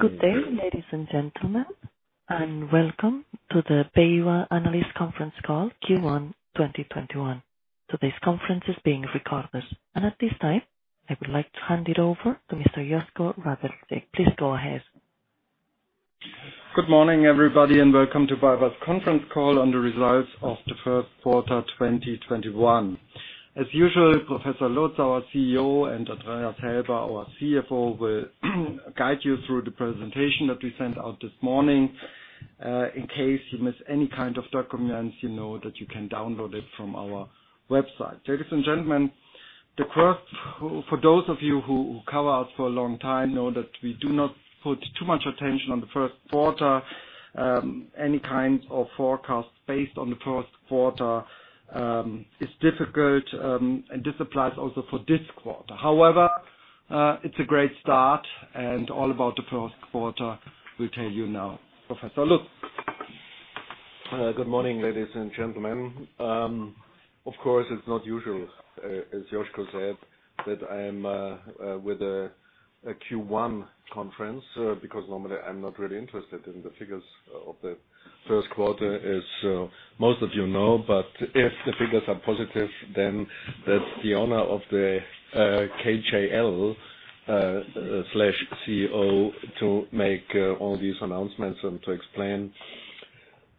Good day, ladies and gentlemen, welcome to the BayWa analyst conference call Q1 2021. Today's conference is being recorded. At this time, I would like to hand it over to Mr. Josko Radeljic. Please go ahead. Good morning, everybody. Welcome to BayWa's conference call on the results of the first quarter 2021. As usual, Professor Lutz, our CEO, and Andreas Helber, our CFO, will guide you through the presentation that we sent out this morning. In case you miss any kind of documents, you know that you can download it from our website. Ladies and gentlemen, for those of you who cover us for a long time know that we do not put too much attention on the first quarter. Any kinds of forecasts based on the first quarter is difficult. This applies also for this quarter. However, it's a great start. All about the first quarter we'll tell you now. Professor Lutz. Good morning, ladies and gentlemen. Of course, it's not usual, as Josko said, that I am with a Q1 conference, because normally I'm not really interested in the figures of the first quarter as most of you know. If the figures are positive, then that's the honor of the KJL/CEO to make all these announcements and to explain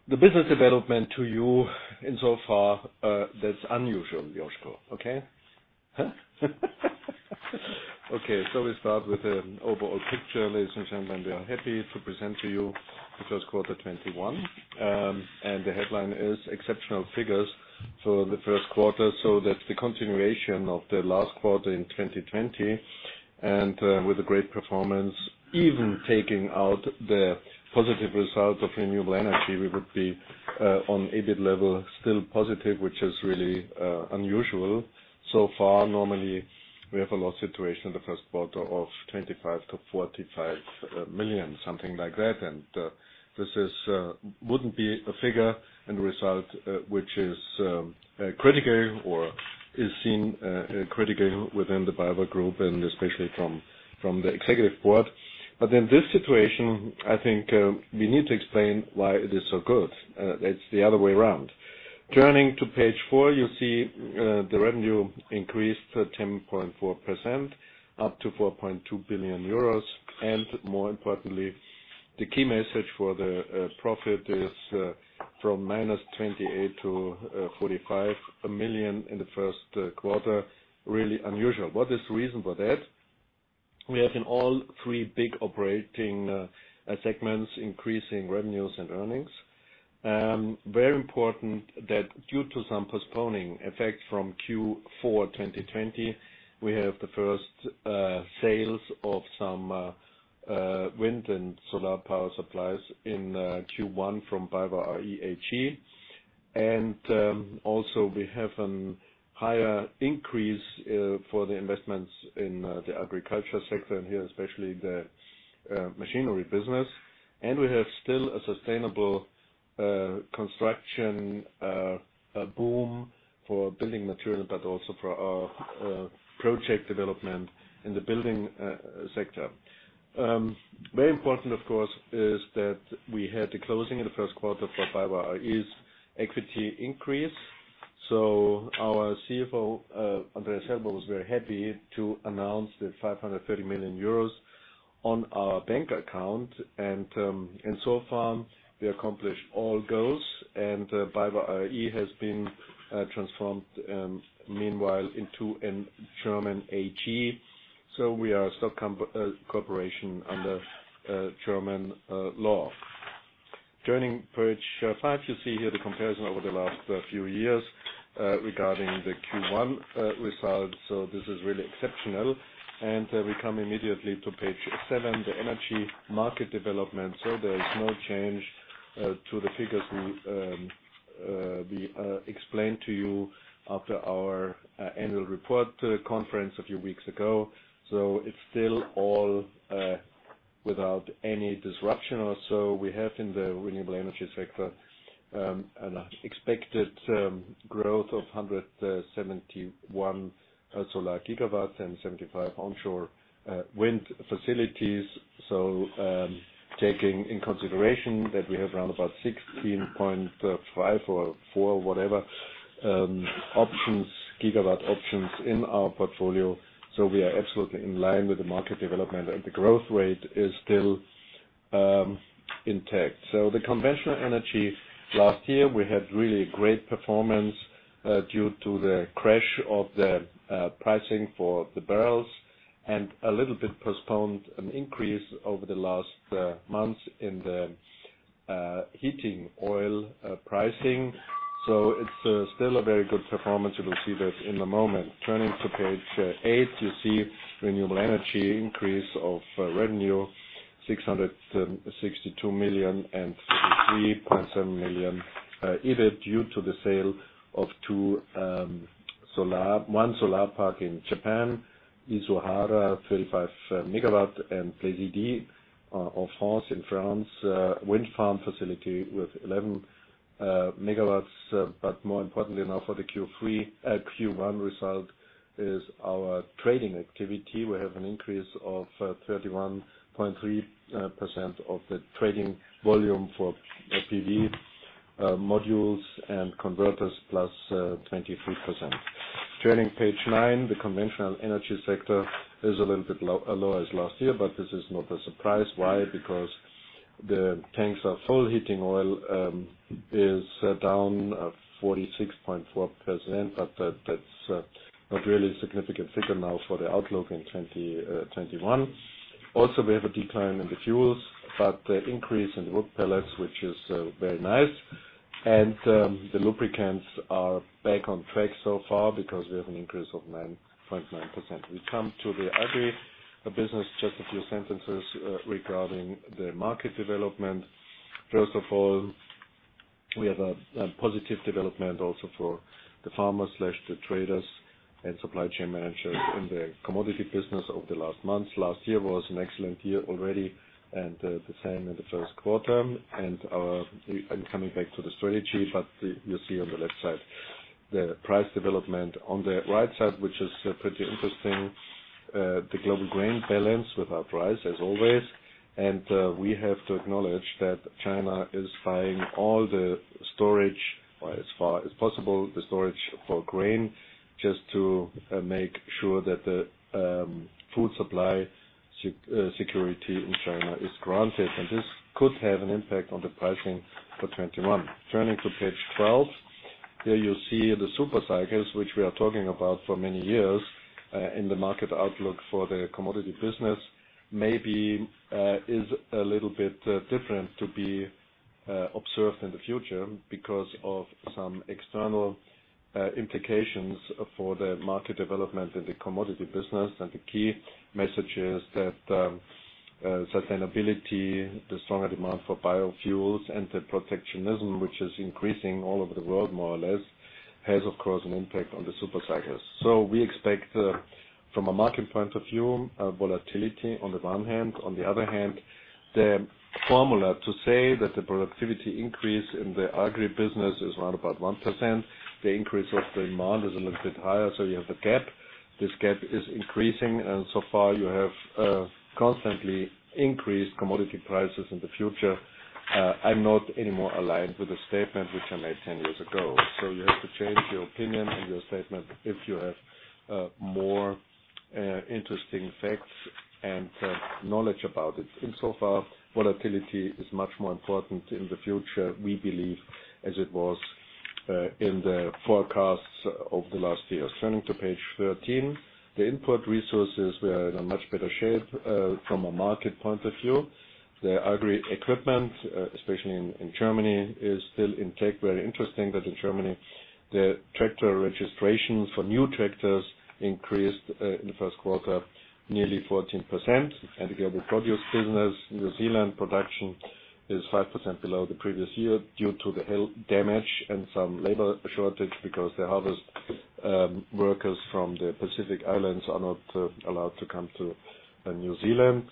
the business development to you insofar that's unusual, Josko, okay? We start with the overall picture. Ladies and gentlemen, we are happy to present to you the first quarter 2021, and the headline is exceptional figures for the first quarter. That's the continuation of the last quarter in 2020 with a great performance. Even taking out the positive result of renewable energy, we would be on EBIT level still positive, which is really unusual. Normally, we have a loss situation in the first quarter of 25 million-45 million, something like that, and this wouldn't be a figure and result which is critical or is seen critical within the BayWa Group and especially from the Executive Board. In this situation, I think we need to explain why it is so good. It's the other way around. Turning to page four, you see the revenue increased 10.4% up to 4.2 billion euros. More importantly, the key message for the profit is from -28 million to 45 million in the first quarter. Really unusual. What is the reason for that? We have in all three big operating segments increasing revenues and earnings. Very important that due to some postponing effect from Q4 2020, we have the first sales of some wind and solar power supplies in Q1 from BayWa r.e. AG. Also we have a higher increase for the investments in the agriculture sector and here, especially the machinery business. We have still a sustainable construction boom for building material, but also for our project development in the building sector. Very important, of course, is that we had the closing in the first quarter for BayWa r.e.'s equity increase. Our CFO, Andreas Helber, was very happy to announce the 530 million euros on our bank account. So far we accomplished all goals and BayWa r.e. has been transformed meanwhile into a German AG. We are a stock corporation under German law. Turning page five, you see here the comparison over the last few years regarding the Q1 results. This is really exceptional. We come immediately to page seven, the energy market development. There is no change to the figures we explained to you after our annual report conference a few weeks ago. It's still all without any disruption. Also, we have in the renewable energy sector an expected growth of 171 solar GW and 75 onshore wind facilities. Taking in consideration that we have around about 16.5 or 4 whatever options, gigawatt options in our portfolio, we are absolutely in line with the market development and the growth rate is still intact. The conventional energy last year, we had really great performance due to the crash of the pricing for the barrels and a little bit postponed an increase over the last months in the heating oil pricing. It's still a very good performance. You will see that in a moment. Turning to page eight, you see renewable energy increase of revenue, 662 million and 33.7 million, either due to the sale of one solar park in Japan, Isohara, 35 MW and Plésidy in France, wind farm facility with 11 MW, but more importantly now for the Q1 result is our trading activity. We have an increase of 31.3% of the trading volume for PV modules and converters plus 23%. Turning page nine, the conventional energy sector is a little bit lower as last year, but this is not a surprise. Why? Because the tanks are full. Heating oil is down 46.4%, but that's not really a significant figure now for the outlook in 2021. Also, we have a decline in the fuels. The increase in wood pellets, which is very nice. The lubricants are back on track so far because we have an increase of 9.9%. We come to the agribusiness. Just a few sentences regarding the market development. First of all, we have a positive development also for the farmers, the traders and supply chain managers in the commodity business over the last months. Last year was an excellent year already and the same in the first quarter. Coming back to the strategy, but you see on the left side the price development. On the right side, which is pretty interesting, the global grain balance with our price as always. We have to acknowledge that China is buying all the storage, as far as possible, the storage for grain just to make sure that the food supply security in China is granted. This could have an impact on the pricing for 2021. Turning to page 12. There you see the super cycles, which we are talking about for many years in the market outlook for the commodity business. Maybe is a little bit different to be observed in the future because of some external implications for the market development in the commodity business. The key message is that sustainability, the stronger demand for biofuels and the protectionism, which is increasing all over the world more or less, has, of course, an impact on the super cycles. We expect from a market point of view, volatility on the one hand. On the other hand, the formula to say that the productivity increase in the agribusiness is around about 1%. The increase of demand is a little bit higher, so you have the gap. This gap is increasing and so far you have constantly increased commodity prices in the future. I'm not anymore aligned with the statement which I made 10 years ago. You have to change your opinion and your statement if you have more interesting facts and knowledge about it. Volatility is much more important in the future, we believe, as it was in the forecasts of the last years. Turning to page 13. The input resources were in a much better shape from a market point of view. The agri equipment, especially in Germany, is still intact. Very interesting that in Germany, the tractor registration for new tractors increased in the first quarter nearly 14%. The other produce business, New Zealand production is 5% below the previous year due to the hail damage and some labor shortage because the harvest workers from the Pacific Islands are not allowed to come to New Zealand.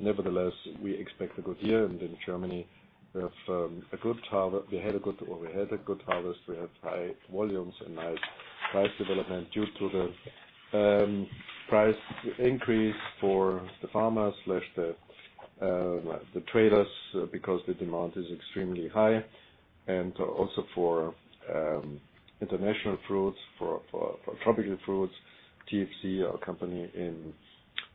Nevertheless, we expect a good year. In Germany we had a good harvest. We had high volumes and nice price development due to the price increase for the farmers/the traders because the demand is extremely high. Also for international fruits, for tropical fruits. TFC, our company in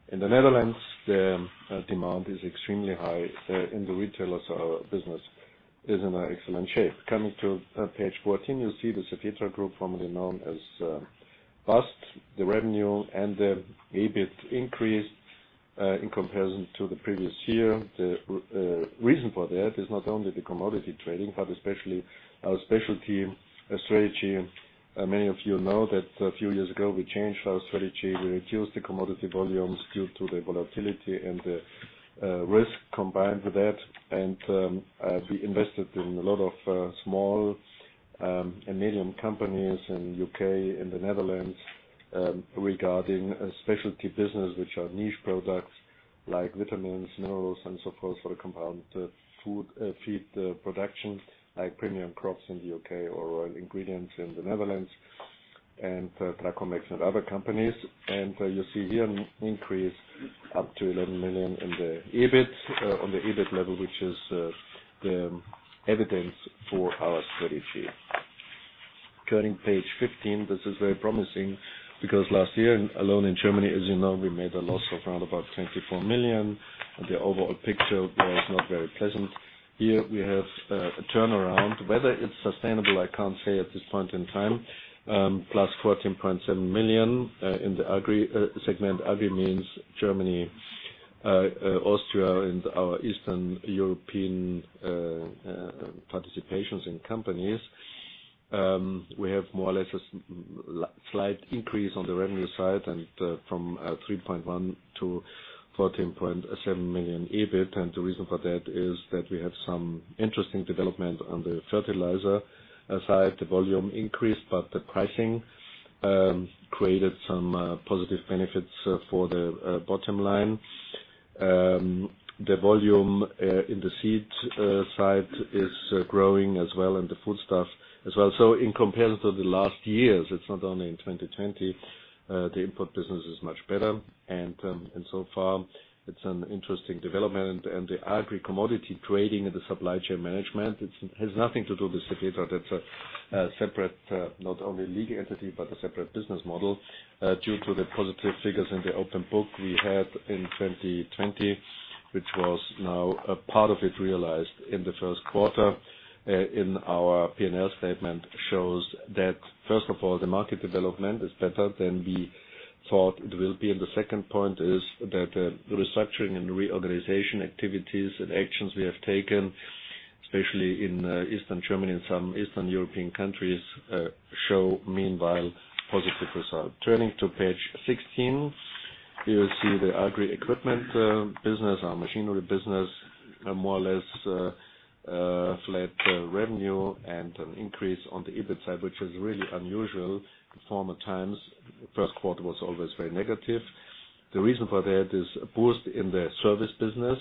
the Netherlands, the demand is extremely high in the retailers. Our business is in excellent shape. Coming to page 14, you see the Cefetra Group, formerly known as BAST. The revenue and the EBIT increased in comparison to the previous year. The reason for that is not only the commodity trading, but especially our specialty strategy. Many of you know that a few years ago we changed our strategy. We reduced the commodity volumes due to the volatility and the risk combined with that. We invested in a lot of small and medium companies in U.K. and the Netherlands regarding specialty business, which are niche products like vitamins, minerals and so forth for the compound food feed production, like Premium Crops in the U.K. or Royal Ingredients in the Netherlands and Tracomex and other companies. You see here an increase up to 11 million on the EBIT level, which is the evidence for our strategy. Turning page 15. This is very promising because last year alone in Germany, as you know, we made a loss of around about 24 million and the overall picture was not very pleasant. Here we have a turnaround. Whether it's sustainable, I can't say at this point in time. +14.7 million in the agri segment. Agri means Germany, Austria and our Eastern European participations in companies. We have more or less a slight increase on the revenue side from 3.1 million to 14.7 million EBIT. The reason for that is that we have some interesting development on the fertilizer side. The volume increased, but the pricing created some positive benefits for the bottom line. The volume in the seed side is growing as well, and the foodstuff as well. In comparison to the last years, it's not only in 2020, the import business is much better. So far it's an interesting development. The agri-commodity trading and the supply chain management, it has nothing to do with Cefetra. That's a separate, not only legal entity, but a separate business model. Due to the positive figures in the open book we had in 2020, which was now a part of it realized in the first quarter in our P&L statement shows that first of all, the market development is better than we thought it will be. The second point is that the restructuring and reorganization activities and actions we have taken, especially in Eastern Germany and some Eastern European countries, show meanwhile positive result. Turning to page 16, you will see the agri equipment business, our machinery business, more or less flat revenue and an increase on the EBIT side, which is really unusual former times. First quarter was always very negative. The reason for that is a boost in the service business.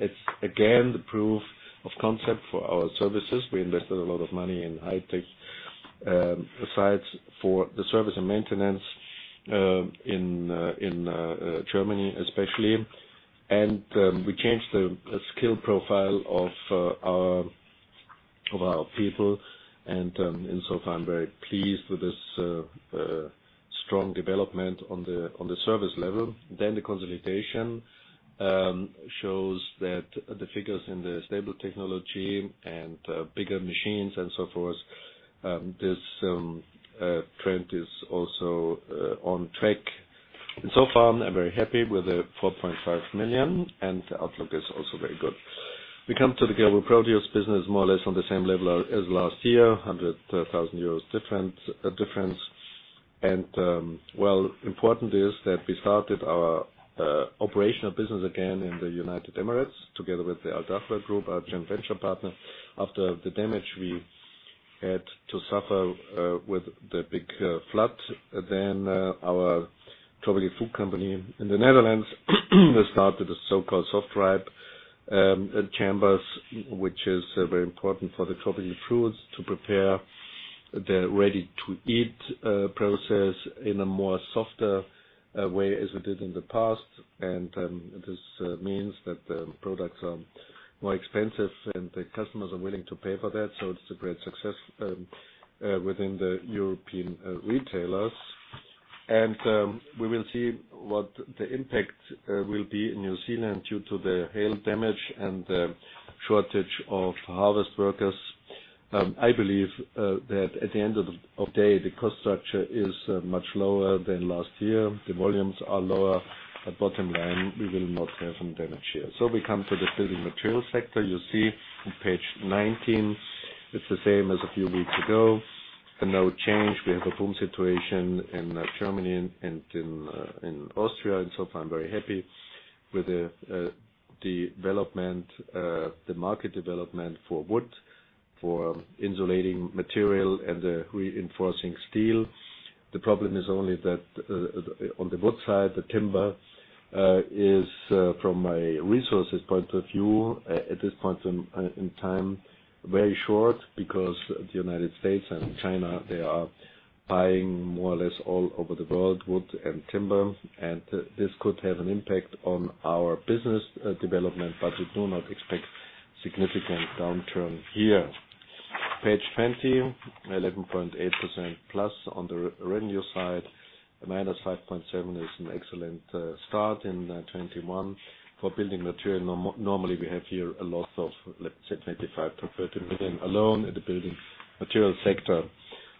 It's again, the proof of concept for our services. We invested a lot of money in high-tech sites for the service and maintenance in Germany especially. We changed the skill profile of our people and so far I'm very pleased with this strong development on the service level. The consolidation shows that the figures in the stable technology and bigger machines and so forth, this trend is also on track. So far I'm very happy with the 4.5 million and the outlook is also very good. We come to the global produce business more or less on the same level as last year, 100,000 euros difference. Well, important is that we started our operational business again in the United Arab Emirates together with the Al Dahra Group, our joint venture partner. After the damage we had to suffer with the big flood. Our tropical food company in the Netherlands started a so-called Softripe chambers, which is very important for the tropical fruits to prepare their ready-to-eat process in a more softer way as it did in the past. This means that the products are more expensive and the customers are willing to pay for that. It's a great success within the European retailers. We will see what the impact will be in New Zealand due to the hail damage and the shortage of harvest workers. I believe that at the end of the day, the cost structure is much lower than last year. The volumes are lower, but bottom line, we will not have any damage here. We come to the building material sector. You see on page 19, it's the same as a few weeks ago. No change. We have a boom situation in Germany and in Austria, and so far I'm very happy with the development, the market development for wood, for insulating material and the reinforcing steel. The problem is only that on the wood side, the timber is from a resources point of view, at this point in time very short because the U.S. and China, they are buying more or less all over the world, wood and timber and this could have an impact on our business development, but we do not expect significant downturn here. Page 20, 11.8%+ on the revenue side, a -5.7% is an excellent start in 2021 for building material. Normally we have here a loss of, let's say 25 million-30 million alone in the building material sector.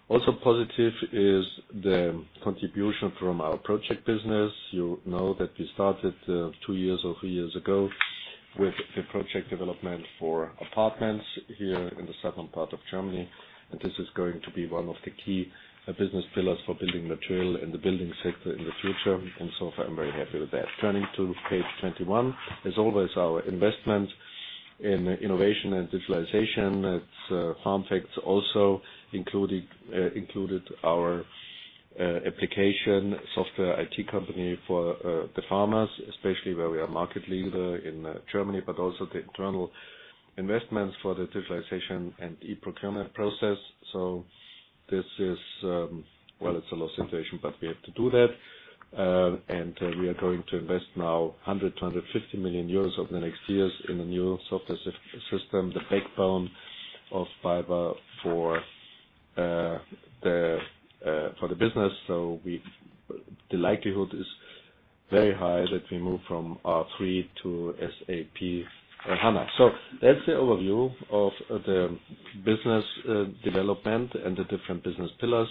Positive is the contribution from our project business. You know that we started two years or three years ago with the project development for apartments here in the southern part of Germany. This is going to be one of the key business pillars for building material in the building sector in the future. So far I'm very happy with that. Turning to page 21, as always, our investment in innovation and digitalization at FarmFacts also included our application software IT company for the farmers, especially where we are market leader in Germany, also the internal investments for the digitalization and e-procurement process. This is, well, it's a loss situation. We have to do that. We are going to invest now 100 million-150 million euros over the next years in the new software system, the backbone of BayWa for the business. The likelihood is very high that we move from R3 to SAP HANA. That's the overview of the business development and the different business pillars.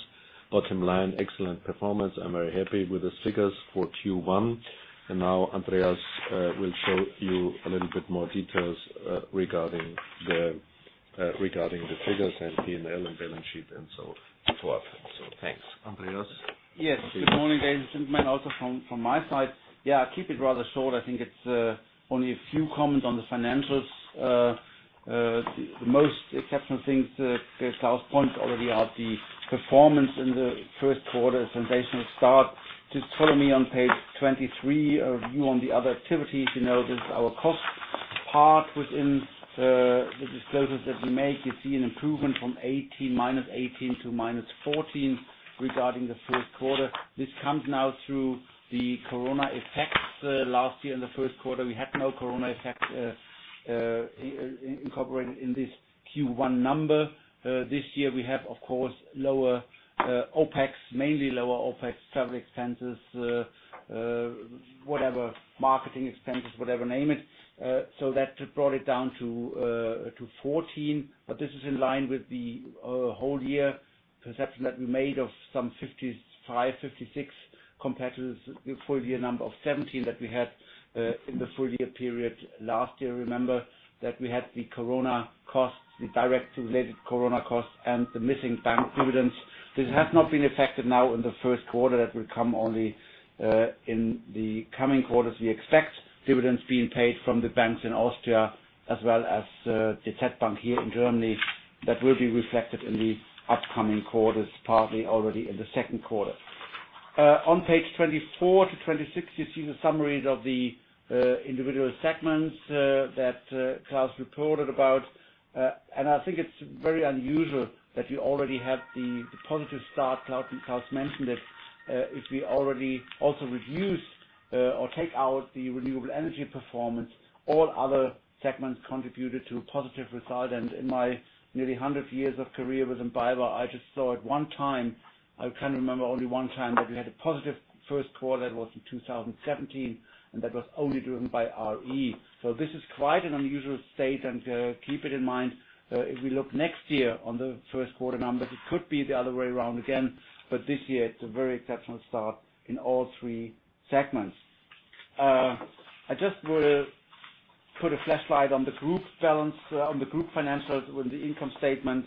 Bottom line, excellent performance. I'm very happy with the figures for Q1. Now Andreas will show you a little bit more details regarding the figures and P&L and balance sheet and so forth. Thanks. Andreas. Yes. Good morning, ladies and gentlemen. Also from my side. I keep it rather short. I think it's only a few comments on the financials. The most exceptional things that Klaus pointed out already are the performance in the first quarter, a sensational start. Just follow me on page 23, a review on the other activities. This is our cost part within the disclosures that we make. You see an improvement from -18 to -14 regarding the first quarter. This comes now through the Corona effects. Last year in the first quarter, we had no Corona effects incorporated in this Q1 number. This year we have, of course, mainly lower OpEx, travel expenses, marketing expenses, whatever, name it. That brought it down to 14. This is in line with the whole year perception that we made of some 55, 56 compared to the full year number of 17 that we had in the full year period. Last year, remember that we had the corona costs, the direct related corona costs, and the missing bank dividends. This has not been affected now in the first quarter. That will come only in the coming quarters. We expect dividends being paid from the banks in Austria as well as the DZ Bank here in Germany. That will be reflected in the upcoming quarters, partly already in the second quarter. On page 24 to 26, you see the summaries of the individual segments that Klaus reported about. I think it's very unusual that you already have the positive start. Klaus mentioned it. If we already also reduce or take out the renewable energy performance, all other segments contributed to a positive result. In my nearly 100 years of career with BayWa, I just saw it one time. I can remember only one time that we had a positive first quarter. That was in 2017, that was only driven by r.e. This is quite an unusual state. Keep it in mind, if we look next year on the first quarter numbers, it could be the other way around again. This year, it's a very exceptional start in all three segments. I just would put a flashlight on the group financials with the income statement.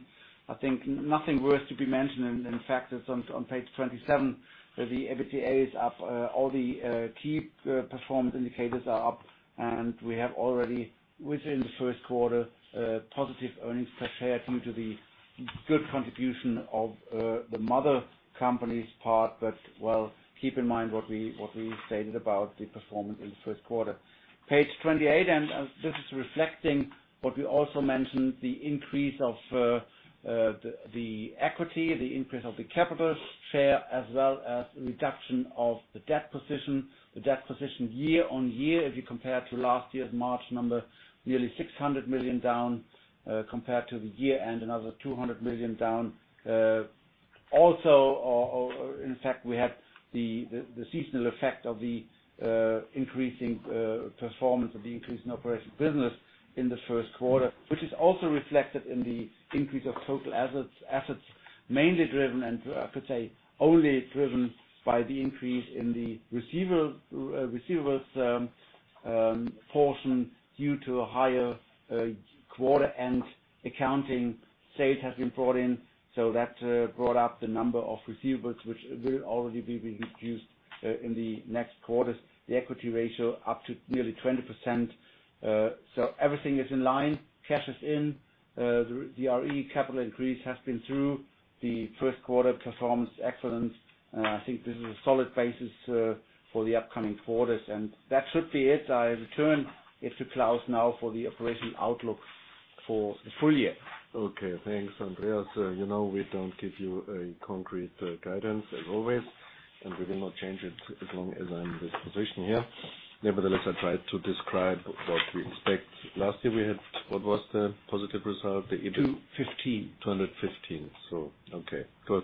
I think nothing worth to be mentioned. In fact, it's on page 27. The EBITDA is up. All the key performance indicators are up. We have already, within the first quarter, positive earnings per share due to the good contribution of the mother company's part. Well, keep in mind what we stated about the performance in the first quarter. Page 28, this is reflecting what we also mentioned, the increase of the equity, the increase of the capital share, as well as reduction of the debt position. The debt position year-on-year, if you compare to last year's March number, nearly 600 million down compared to the year-end, another 200 million down. In fact, we had the seasonal effect of the increasing performance of the increasing operation business in the first quarter, which is also reflected in the increase of total assets, mainly driven, I could say only driven by the increase in the receivables portion due to a higher quarter-end accounting sale has been brought in. That brought up the number of receivables, which will already be reduced in the next quarters. The equity ratio up to nearly 20%. Everything is in line. Cash is in. The r.e. Capital increase has been through. The first quarter performance, excellent. I think this is a solid basis for the upcoming quarters. That should be it. I return it to Klaus now for the operational outlook for the full year. Okay, thanks, Andreas. We don't give you a concrete guidance as always, and we will not change it as long as I'm in this position here. Nevertheless, I try to describe what we expect. Last year, we had, what was the positive result? 215. 215. Okay, good.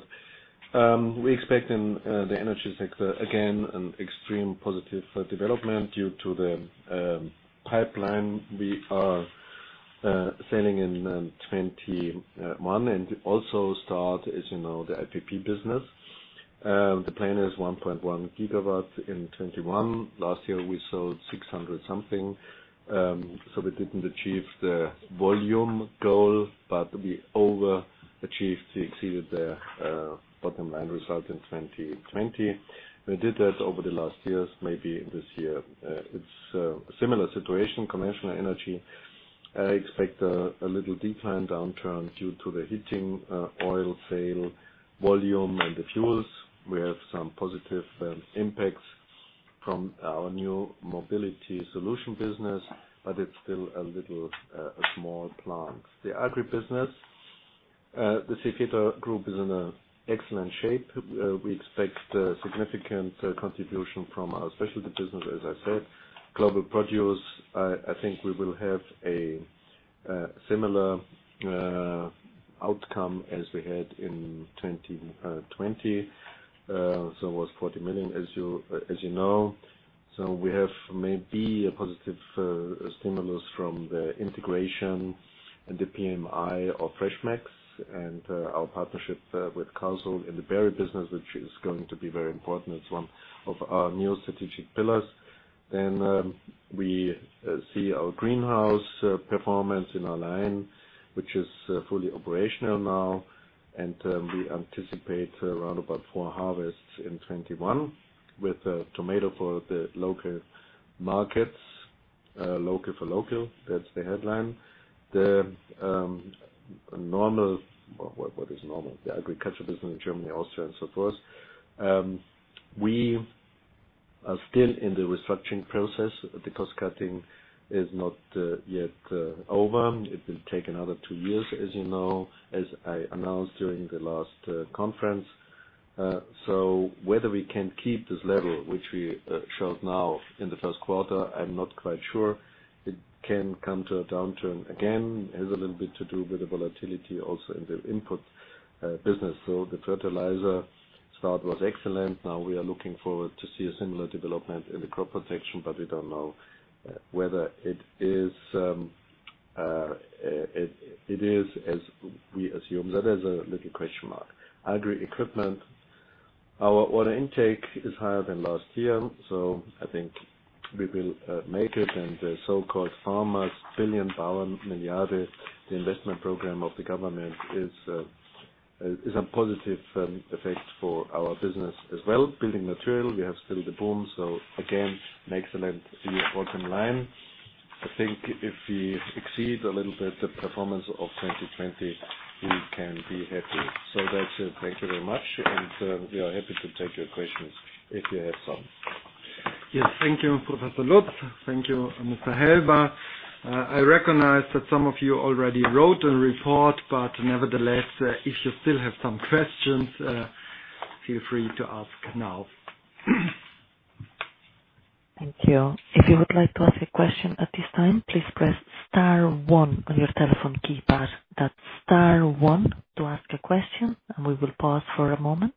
We expect in the energy sector, again, an extreme positive development due to the pipeline we are selling in 2021 and also start, as you know, the IPP business. The plan is 1.1 GW in 2021. Last year, we sold 600-something. We didn't achieve the volume goal, but we overachieved, exceeded the bottom line result in 2020. We did that over the last years. Maybe this year it's a similar situation. Conventional energy, I expect a little decline downturn due to the heating oil sale volume and the fuels. We have some positive impacts from our new BayWa Mobility Solutions business, but it's still a little, a small plan. The agri business, the Cefetra Group is in excellent shape. We expect a significant contribution from our specialty business, as I said. Global produce, I think we will have a similar outcome as we had in 2020. It was 40 million, as you know. We have maybe a positive stimulus from the integration and the PMI of Freshmax and our partnership with [Karlsunds] in the berry business, which is going to be very important. It's one of our new strategic pillars. We see our greenhouse performance in Al Ain, which is fully operational now. And we anticipate around about four harvests in 2021, with the tomato for the local markets, local for local, that's the headline. The normal, what is normal? The agriculture business in Germany, Austria, and so forth. We are still in the restructuring process. The cost-cutting is not yet over. It will take another two years, as you know, as I announced during the last conference. Whether we can keep this level, which we showed now in the first quarter, I'm not quite sure. It can come to a downturn again. It has a little bit to do with the volatility also in the input business. The fertilizer start was excellent. We are looking forward to see a similar development in the crop protection, but we don't know whether it is as we assume. That is a little question mark. Agri equipment, our order intake is higher than last year, so I think we will make it. The so-called farmer's billion, Bauernmilliarde, the investment program of the government is a positive effect for our business as well. Building material, we have still the boom. Again, an excellent bottom line. I think if we exceed a little bit the performance of 2020, we can be happy. That's it. Thank you very much, and we are happy to take your questions if you have some. Yes. Thank you, Professor Lutz. Thank you, Andreas Helber. I recognize that some of you already wrote a report, but nevertheless, if you still have some questions, feel free to ask now. Thank you. If you would like to ask a question at this time, please press star one on your telephone keypad. That's star one to ask a question, and we will pause for a moment.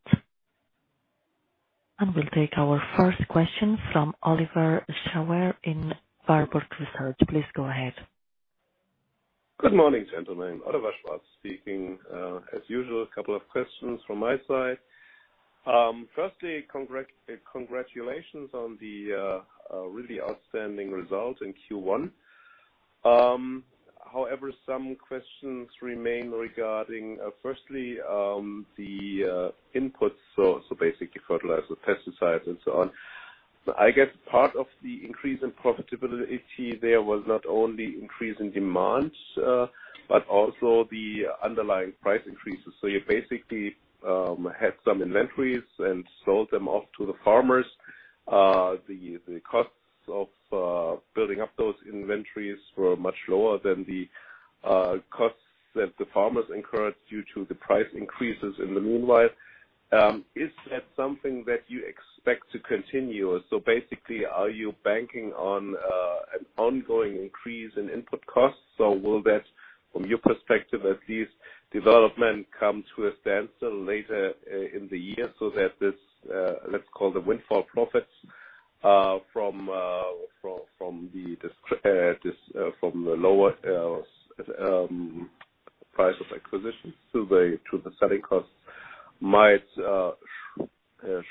We'll take our first question from Oliver Schwarz in Warburg Research. Please go ahead. Good morning, gentlemen. Oliver Schwarz speaking. As usual, couple of questions from my side. Firstly, congratulations on the really outstanding result in Q1. Some questions remain regarding, firstly, the inputs, so basically fertilizer, pesticides, and so on. I guess part of the increase in profitability there was not only increase in demands, but also the underlying price increases. You basically had some inventories and sold them off to the farmers. The costs of building up those inventories were much lower than the costs that the farmers incurred due to the price increases in the meanwhile. Is that something that you expect to continue? Basically, are you banking on an ongoing increase in input costs? Will that, from your perspective at least, development come to a standstill later in the year so that this, let's call it windfall profits from the lower price of acquisition to the selling cost might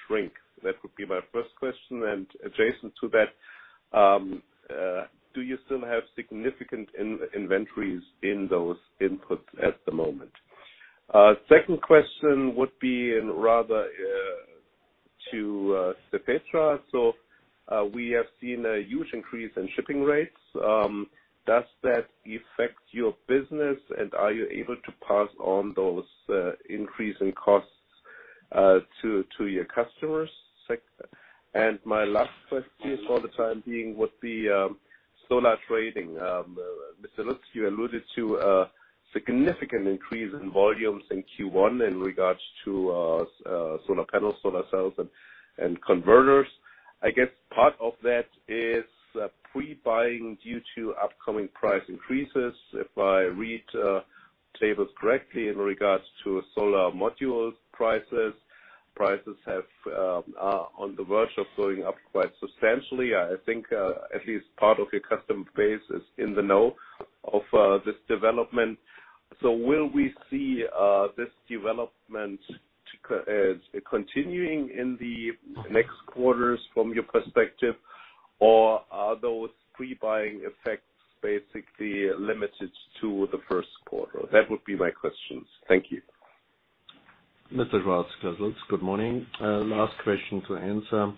shrink? That would be my first question. Adjacent to that, do you still have significant inventories in those inputs at the moment? Second question would be rather to Cefetra. We have seen a huge increase in shipping rates. Does that affect your business, and are you able to pass on those increase in costs to your customers? My last question for the time being with the solar trading. Mr. Lutz, you alluded to a significant increase in volumes in Q1 in regards to solar panels, solar cells, and converters. I guess part of that is pre-buying due to upcoming price increases. If I read tables correctly in regards to solar module prices are on the verge of going up quite substantially. I think at least part of your customer base is in the know of this development. Will we see this development continuing in the next quarters from your perspective, or are those pre-buying effects basically limited to the first quarter? That would be my questions. Thank you. Mr. Schwarz, this is Lutz. Good morning. Last question to answer.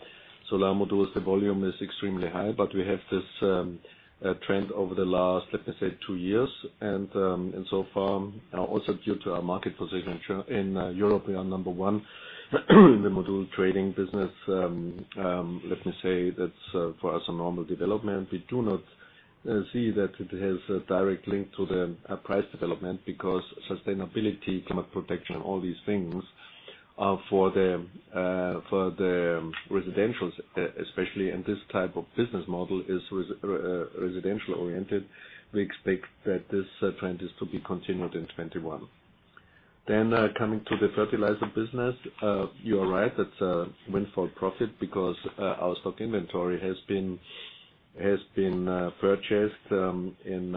Solar modules, the volume is extremely high, but we have this trend over the last, let me say, two years. So far, also due to our market position in Europe, we are number one in the module trading business. Let me say that's for us a normal development. We do not see that it has a direct link to the price development because sustainability, climate protection, and all these things, for the residentials especially, and this type of business model is residential-oriented. We expect that this trend is to be continued in 2021. Coming to the fertilizer business, you are right, that's a windfall profit because our stock inventory has been purchased in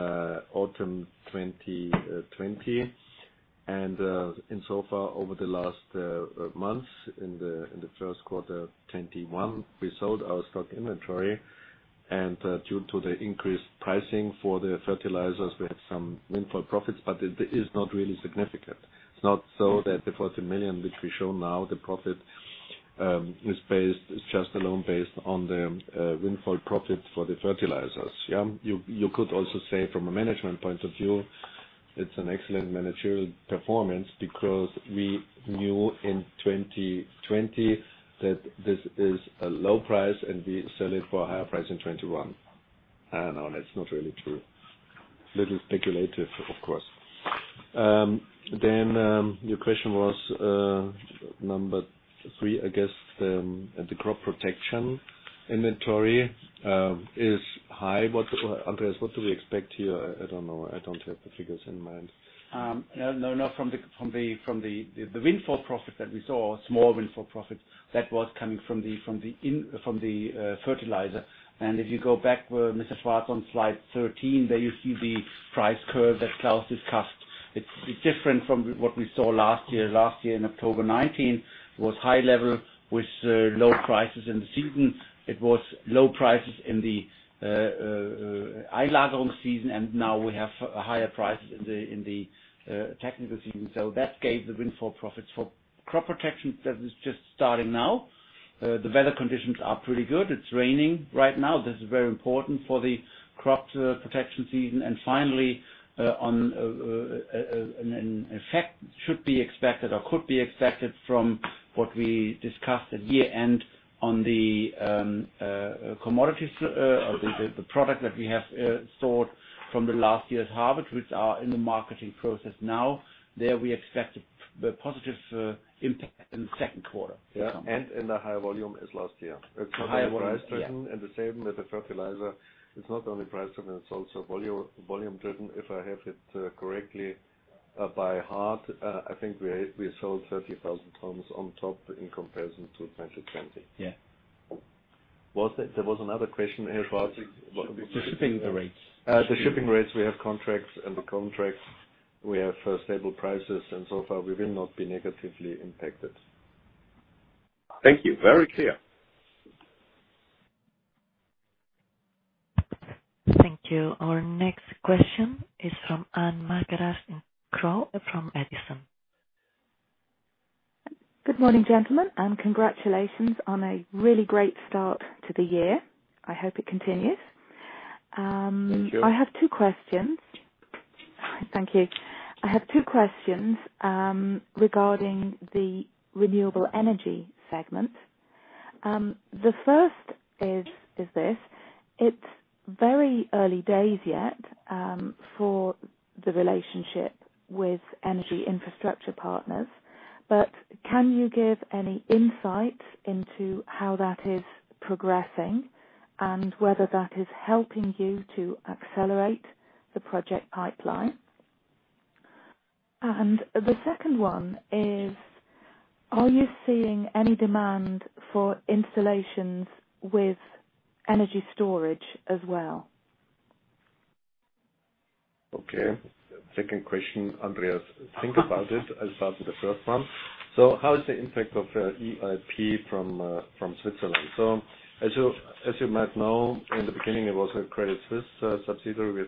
autumn 2020. Insofar, over the last months, in Q1 2021, we sold our stock inventory. Due to the increased pricing for the fertilizers, we had some windfall profits, but it is not really significant. It is not that the 40 million, which we show now, the profit is just alone based on the windfall profit for the fertilizers. You could also say from a management point of view, it's an excellent managerial performance because we knew in 2020 that this is a low price and we sell it for a higher price in 2021. I don't know, that's not really true. It is a little speculative, of course. Your question was, number three, I guess, the crop protection inventory is high. Andreas, what do we expect here? I don't know. I don't have the figures in mind. No, from the windfall profit that we saw, small windfall profit, that was coming from the fertilizer. If you go back, Mr. Schwarz, on slide 13, there you see the price curve that Klaus discussed. It's different from what we saw last year. Last year in October 2019, was high level with low prices in the season. It was low prices in the season, now we have higher prices in the technical season. That gave the windfall profits. For crop protection, that is just starting now. The weather conditions are pretty good. It's raining right now. This is very important for the crop protection season. Finally, an effect should be expected or could be expected from what we discussed at year-end on the commodities or the product that we have stored from the last year's harvest, which are in the marketing process now. There we expect a positive impact in the second quarter. Yeah, in a higher volume as last year. Higher volume, yeah. It's not only price driven and the same with the fertilizer. It's not only price driven, it's also volume driven. If I have it correctly by heart, I think we sold 30,000 tons on top in comparison to 2020. Yeah. There was another question here. The shipping rates. The shipping rates, we have contracts, and the contracts, we have stable prices, and so far we will not be negatively impacted. Thank you. Very clear. Thank you. Our next question is from Anne Margaret Crow from Edison. Good morning, gentlemen. Congratulations on a really great start to the year. I hope it continues. Thank you. I have two questions. Thank you. I have two questions regarding the renewable energy segment. The first is this: It's very early days yet for the relationship with Energy Infrastructure Partners, but can you give any insight into how that is progressing and whether that is helping you to accelerate the project pipeline? The second one is: Are you seeing any demand for installations with energy storage as well? Okay. Second question, Andreas, think about it. I'll start with the first one. How is the impact of EIP from Switzerland? As you might know, in the beginning, it was a Credit Suisse subsidiary with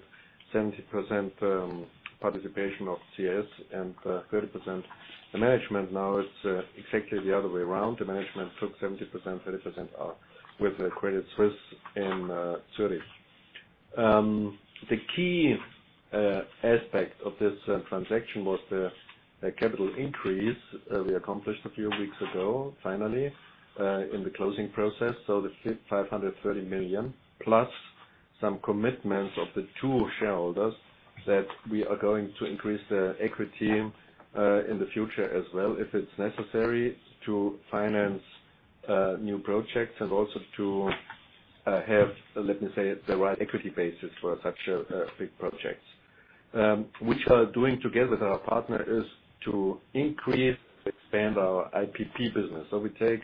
70% participation of CS and 30% the management. Now it's exactly the other way around. The management took 70%, 30% are with the Credit Suisse in Zurich. The key aspect of this transaction was the capital increase we accomplished a few weeks ago, finally, in the closing process. The 530 million plus some commitments of the two shareholders that we are going to increase the equity in the future as well if it's necessary to finance new projects and also to have, let me say, the right equity basis for such big projects. What we are doing together with our partner is to increase and expand our IPP business. We take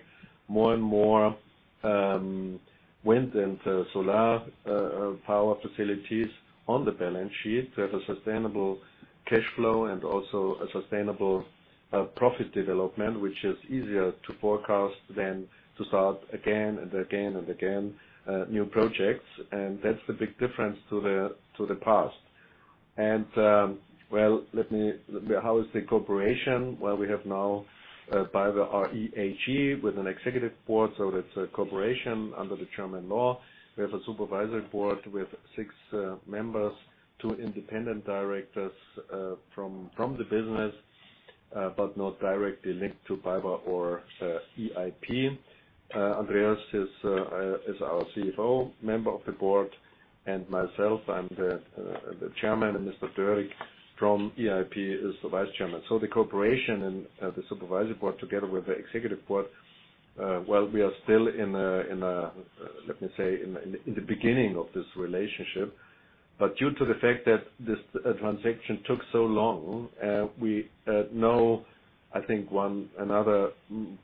more and more wind and solar power facilities on the balance sheet to have a sustainable cash flow and also a sustainable profit development, which is easier to forecast than to start again and again, new projects. That's the big difference to the past. Well, how is the cooperation? Well, we have now BayWa r.e. AG with an executive board, so that's a corporation under the German law. We have a supervisory board with six members, two independent directors from the business, but not directly linked to BayWa or EIP. Andreas is our CFO, member of the board, and myself, I'm the Chairman, and Mr. Dörig from EIP is the Vice Chairman. The cooperation and the supervisory board, together with the executive board, while we are still in, let me say, in the beginning of this relationship. Due to the fact that this transaction took so long, we know, I think one another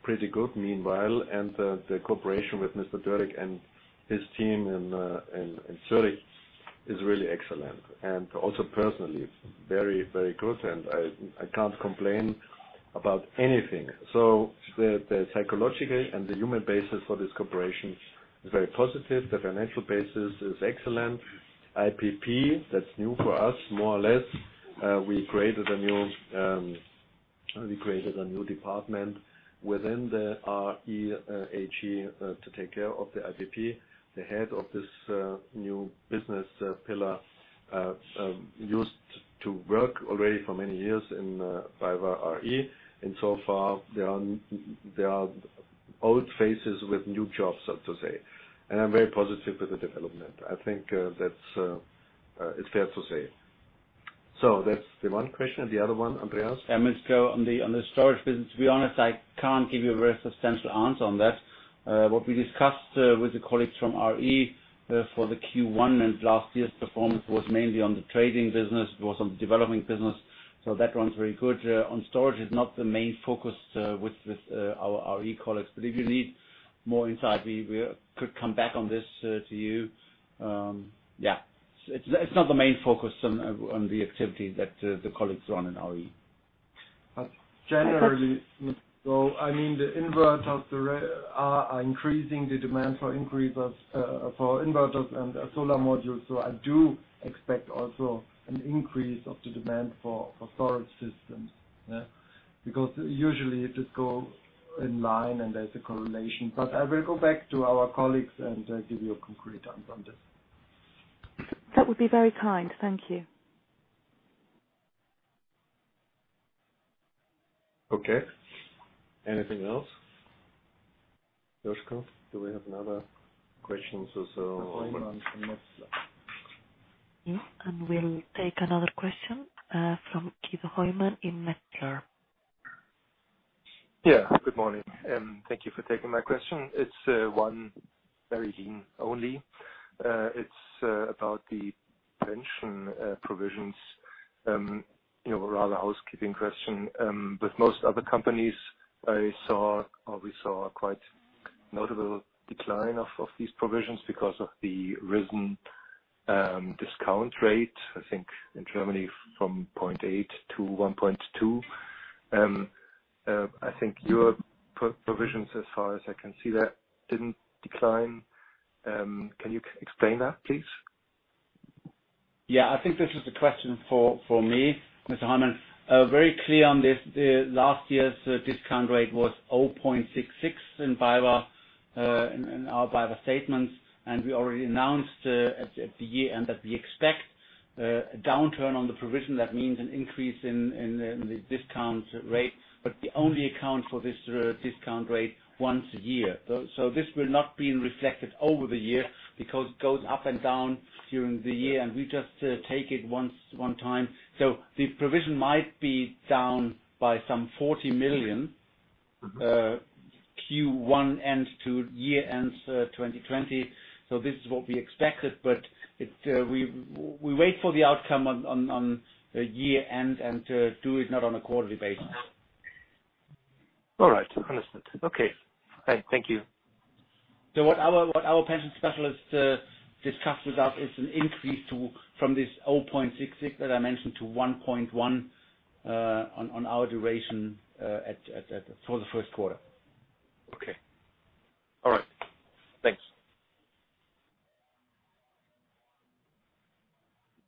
pretty good meanwhile, the cooperation with Mr. Dörig and his team in Zurich is really excellent. Also personally very, very good, I can't complain about anything. The psychological and the human basis for this cooperation is very positive. The financial basis is excellent. IPP, that's new for us, more or less. We created a new department within BayWa r.e. AG to take care of the IPP. The head of this new business pillar used to work already for many years in BayWa r.e., so far there are old faces with new jobs, so to say. I'm very positive with the development. I think that it's fair to say. That's the one question, the other one, Andreas? Ms. Crow. On the storage business, to be honest, I can't give you a very substantial answer on that. What we discussed with the colleagues from BayWa r.e. for the Q1 and last year's performance was mainly on the trading business. It was on the development business. That runs very good. On storage, it's not the main focus with our r.e. colleagues. If you need more insight, we could come back on this to you. It's not the main focus on the activity that the colleagues run in r.e. Generally, I mean, the inverters are increasing the demand for inverters and solar modules, so I do expect also an increase of the demand for storage systems. Usually it goes in line and there's a correlation. I will go back to our colleagues and give you a concrete answer on this. That would be very kind. Thank you. Okay. Anything else? Josko, do we have another question or so? From Hoymann from Metzler. We'll take another question, from Guido Hoymann in Metzler. Yeah. Good morning. Thank you for taking my question. It's one, very lean only. It's about the pension provisions, rather a housekeeping question. With most other companies, we saw a quite notable decline of these provisions because of the risen discount rate, I think, in Germany from 0.8 to 1.2. I think your provisions, as far as I can see that, didn't decline. Can you explain that, please? Yeah. I think this is a question for me, Mr. Hoymann. Very clear on this. Last year's discount rate was 0.66 in our BayWa statements, and we already announced at the year-end that we expect a downturn on the provision. That means an increase in the discount rate. We only account for this discount rate once a year. This will not be reflected over the year because it goes up and down during the year, and we just take it one time. The provision might be down by some 40 million Q1 and to year-end 2020. This is what we expected, but we wait for the outcome on the year-end and do it not on a quarterly basis. All right. Understood. Okay. Thank you. What our pension specialist discussed with us is an increase from this 0.66 that I mentioned to 1.1 on our duration for the first quarter. Okay. All right. Thanks.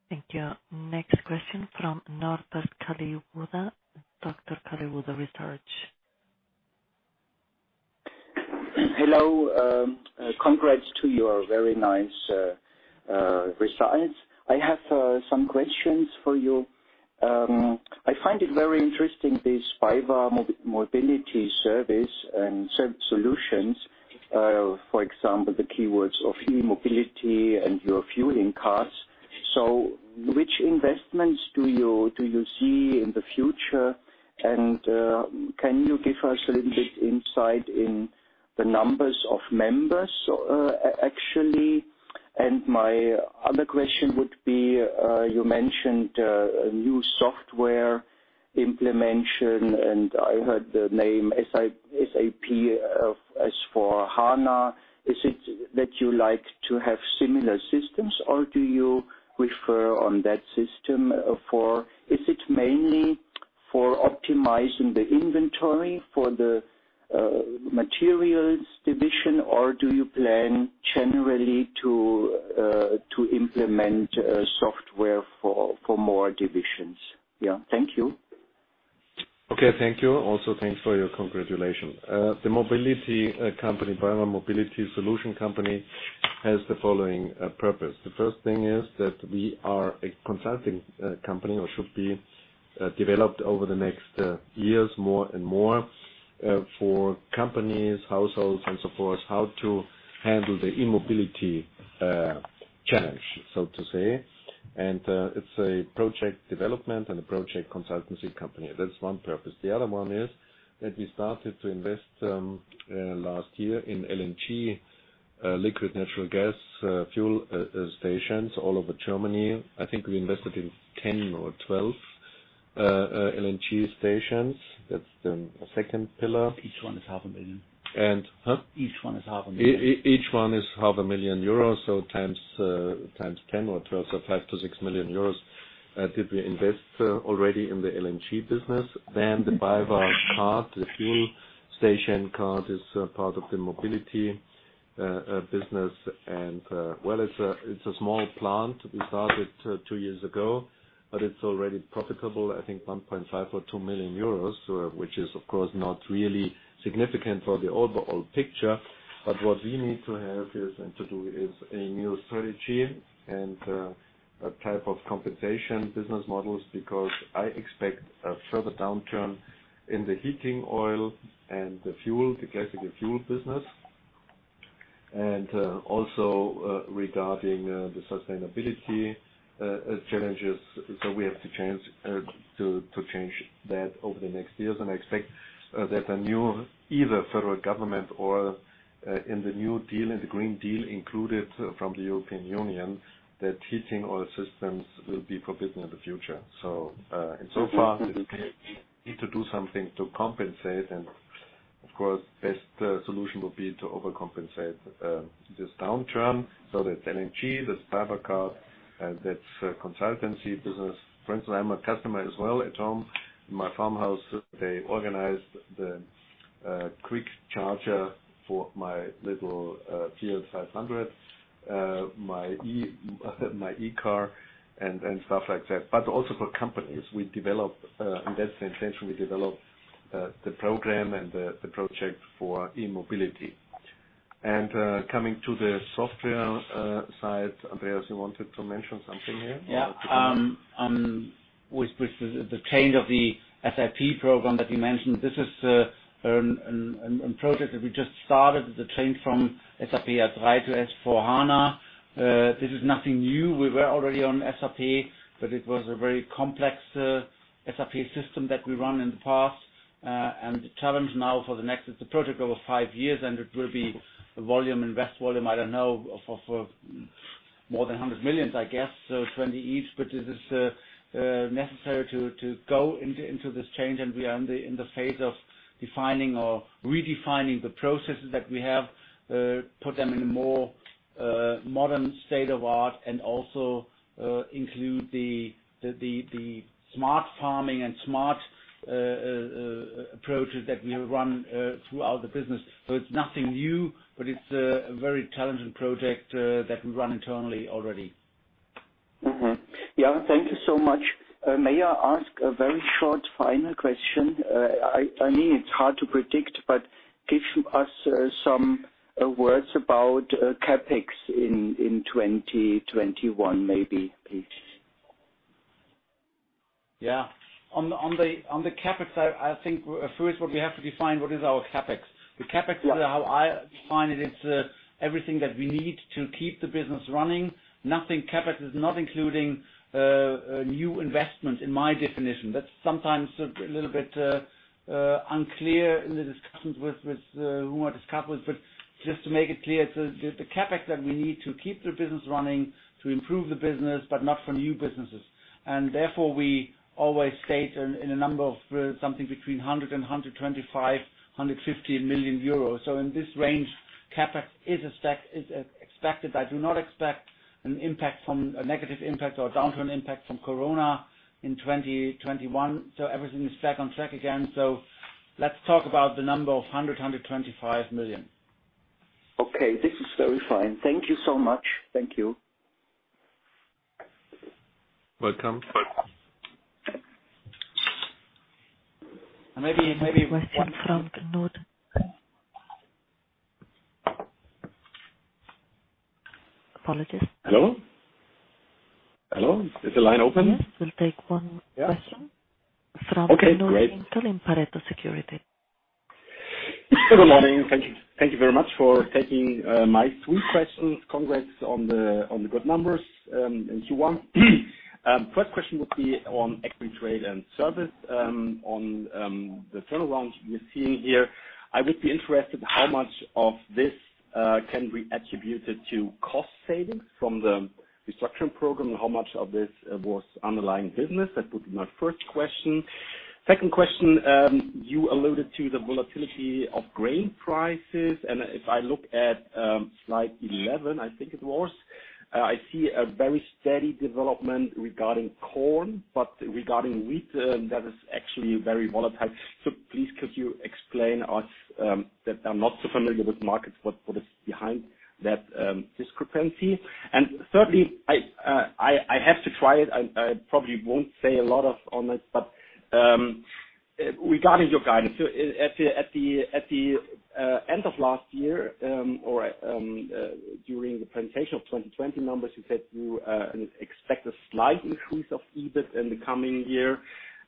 Thank you. Next question from Norbert Kalliwoda, Dr. Kalliwoda Research. Hello. Congrats to your very nice results. I have some questions for you. I find it very interesting, this BayWa Mobility Solutions. For example, the keywords of e-mobility and your fueling cards. Which investments do you see in the future? Can you give us a little bit insight in the numbers of members, actually? My other question would be, you mentioned a new software implementation, and I heard the name SAP S/4HANA. Is it that you like to have similar systems, or do you refer on that system? Is it mainly for optimizing the inventory for the materials division, or do you plan generally to implement software for more divisions? Yeah. Thank you. Okay. Thank you. Thanks for your congratulations. The mobility company, BayWa Mobility Solutions company, has the following purpose. The first thing is that we are a consulting company or should be developed over the next years more and more, for companies, households, and so forth, how to handle the e-mobility challenge, so to say. It's a project development and a project consultancy company. That's one purpose. The other one is that we started to invest, last year in LNG, liquid natural gas, fuel stations all over Germany. I think we invested in 10 or 12 LNG stations. That's the second pillar. Each one is half a million. Huh? Each one is half a million. Each one is half a million euros, so times 10 or 12, so 5 million-6 million euros, did we invest already in the LNG business. The BayWa Card, the fuel station card is part of the mobility business. Well, it's a small plant. We started two years ago, but it's already profitable, I think 1.5 million or 2 million euros. Which is of course not really significant for the overall picture. What we need to have is, and to do is, a new strategy and a type of compensation business models, because I expect a further downturn in the heating oil and the fuel, the classical fuel business. Also regarding the sustainability challenges. We have to change that over the next years, and I expect that a new, either federal government or in the new deal, in the Green Deal included from the European Union, that heating oil systems will be forbidden in the future. In so far, we need to do something to compensate and, of course, best solution would be to overcompensate this downturn. That's LNG, that's BayWa Card, and that's consultancy business. For instance, I'm a customer as well at home. My farmhouse, they organized the quick charger for my little GLE 500, my E-car and stuff like that. Also for companies. We develop, in that same sense, the program and the project for e-mobility. Coming to the software side, Andreas, you wanted to mention something here? Yeah. With the change of the SAP program that you mentioned, this is a project that we just started, the change from SAP S/4HANA. This is nothing new. We were already on SAP, it was a very complex SAP system that we run in the past. The challenge now for the next, it's a project over five years, it will be invest volume, I don't know, of more than 100 million, I guess. 20 each, but it is necessary to go into this change, and we are in the phase of defining or redefining the processes that we have, put them in a more modern state of art and also include the smart farming and smart approaches that we run throughout the business. It's nothing new, but it's a very challenging project that we run internally already. Thank you so much. May I ask a very short final question? I mean, it's hard to predict, but give us some words about CapEx in 2021, maybe, please. On the CapEx, I think first what we have to define, what is our CapEx? The CapEx, how I define it is everything that we need to keep the business running. CapEx is not including new investment in my definition. That is sometimes a little bit unclear in the discussions with whom I discuss with. Just to make it clear, the CapEx that we need to keep the business running, to improve the business, but not for new businesses. Therefore we always state in a number of something between 100 million euros and 125 million, 150 million euros. In this range, CapEx is expected. I do not expect a negative impact or downturn impact from Corona in 2021. Everything is back on track again. Let's talk about the number of 100 million, 125 million. Okay. This is very fine. Thank you so much. Thank you. Welcome. Maybe one- Question from Knud. Apologies. Hello? Hello? Is the line open? Yes. We'll take one question. Yeah. Okay, great. From Pareto Securities. Good morning. Thank you very much for taking my three questions. Congrats on the good numbers in Q1. First question would be on equity, trade, and service. On the turnover we're seeing here, I would be interested how much of this can be attributed to cost savings from the restructuring program and how much of this was underlying business? That would be my first question. Second question, you alluded to the volatility of grain prices, and if I look at slide 11, I think it was, I see a very steady development regarding corn, but regarding wheat, that is actually very volatile. Please could you explain us, that are not so familiar with markets, what is behind that discrepancy? Thirdly, I have to try it. I probably won't say a lot on it, but regarding your guidance. At the end of last year, or during the presentation of 2020 numbers, you said you expect a slight increase of EBIT in the coming year.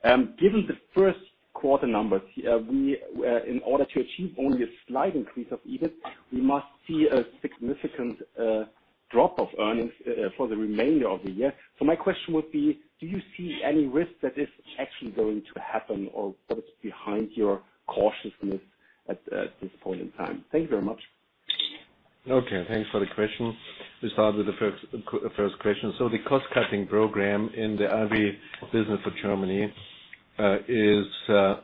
Given the first quarter numbers, in order to achieve only a slight increase of EBIT, we must see a significant drop of earnings for the remainder of the year. My question would be, do you see any risk that is actually going to happen or what is behind your cautiousness at this point in time? Thank you very much. Okay, thanks for the question. We start with the first question. The cost-cutting program in the r.e. business of Germany is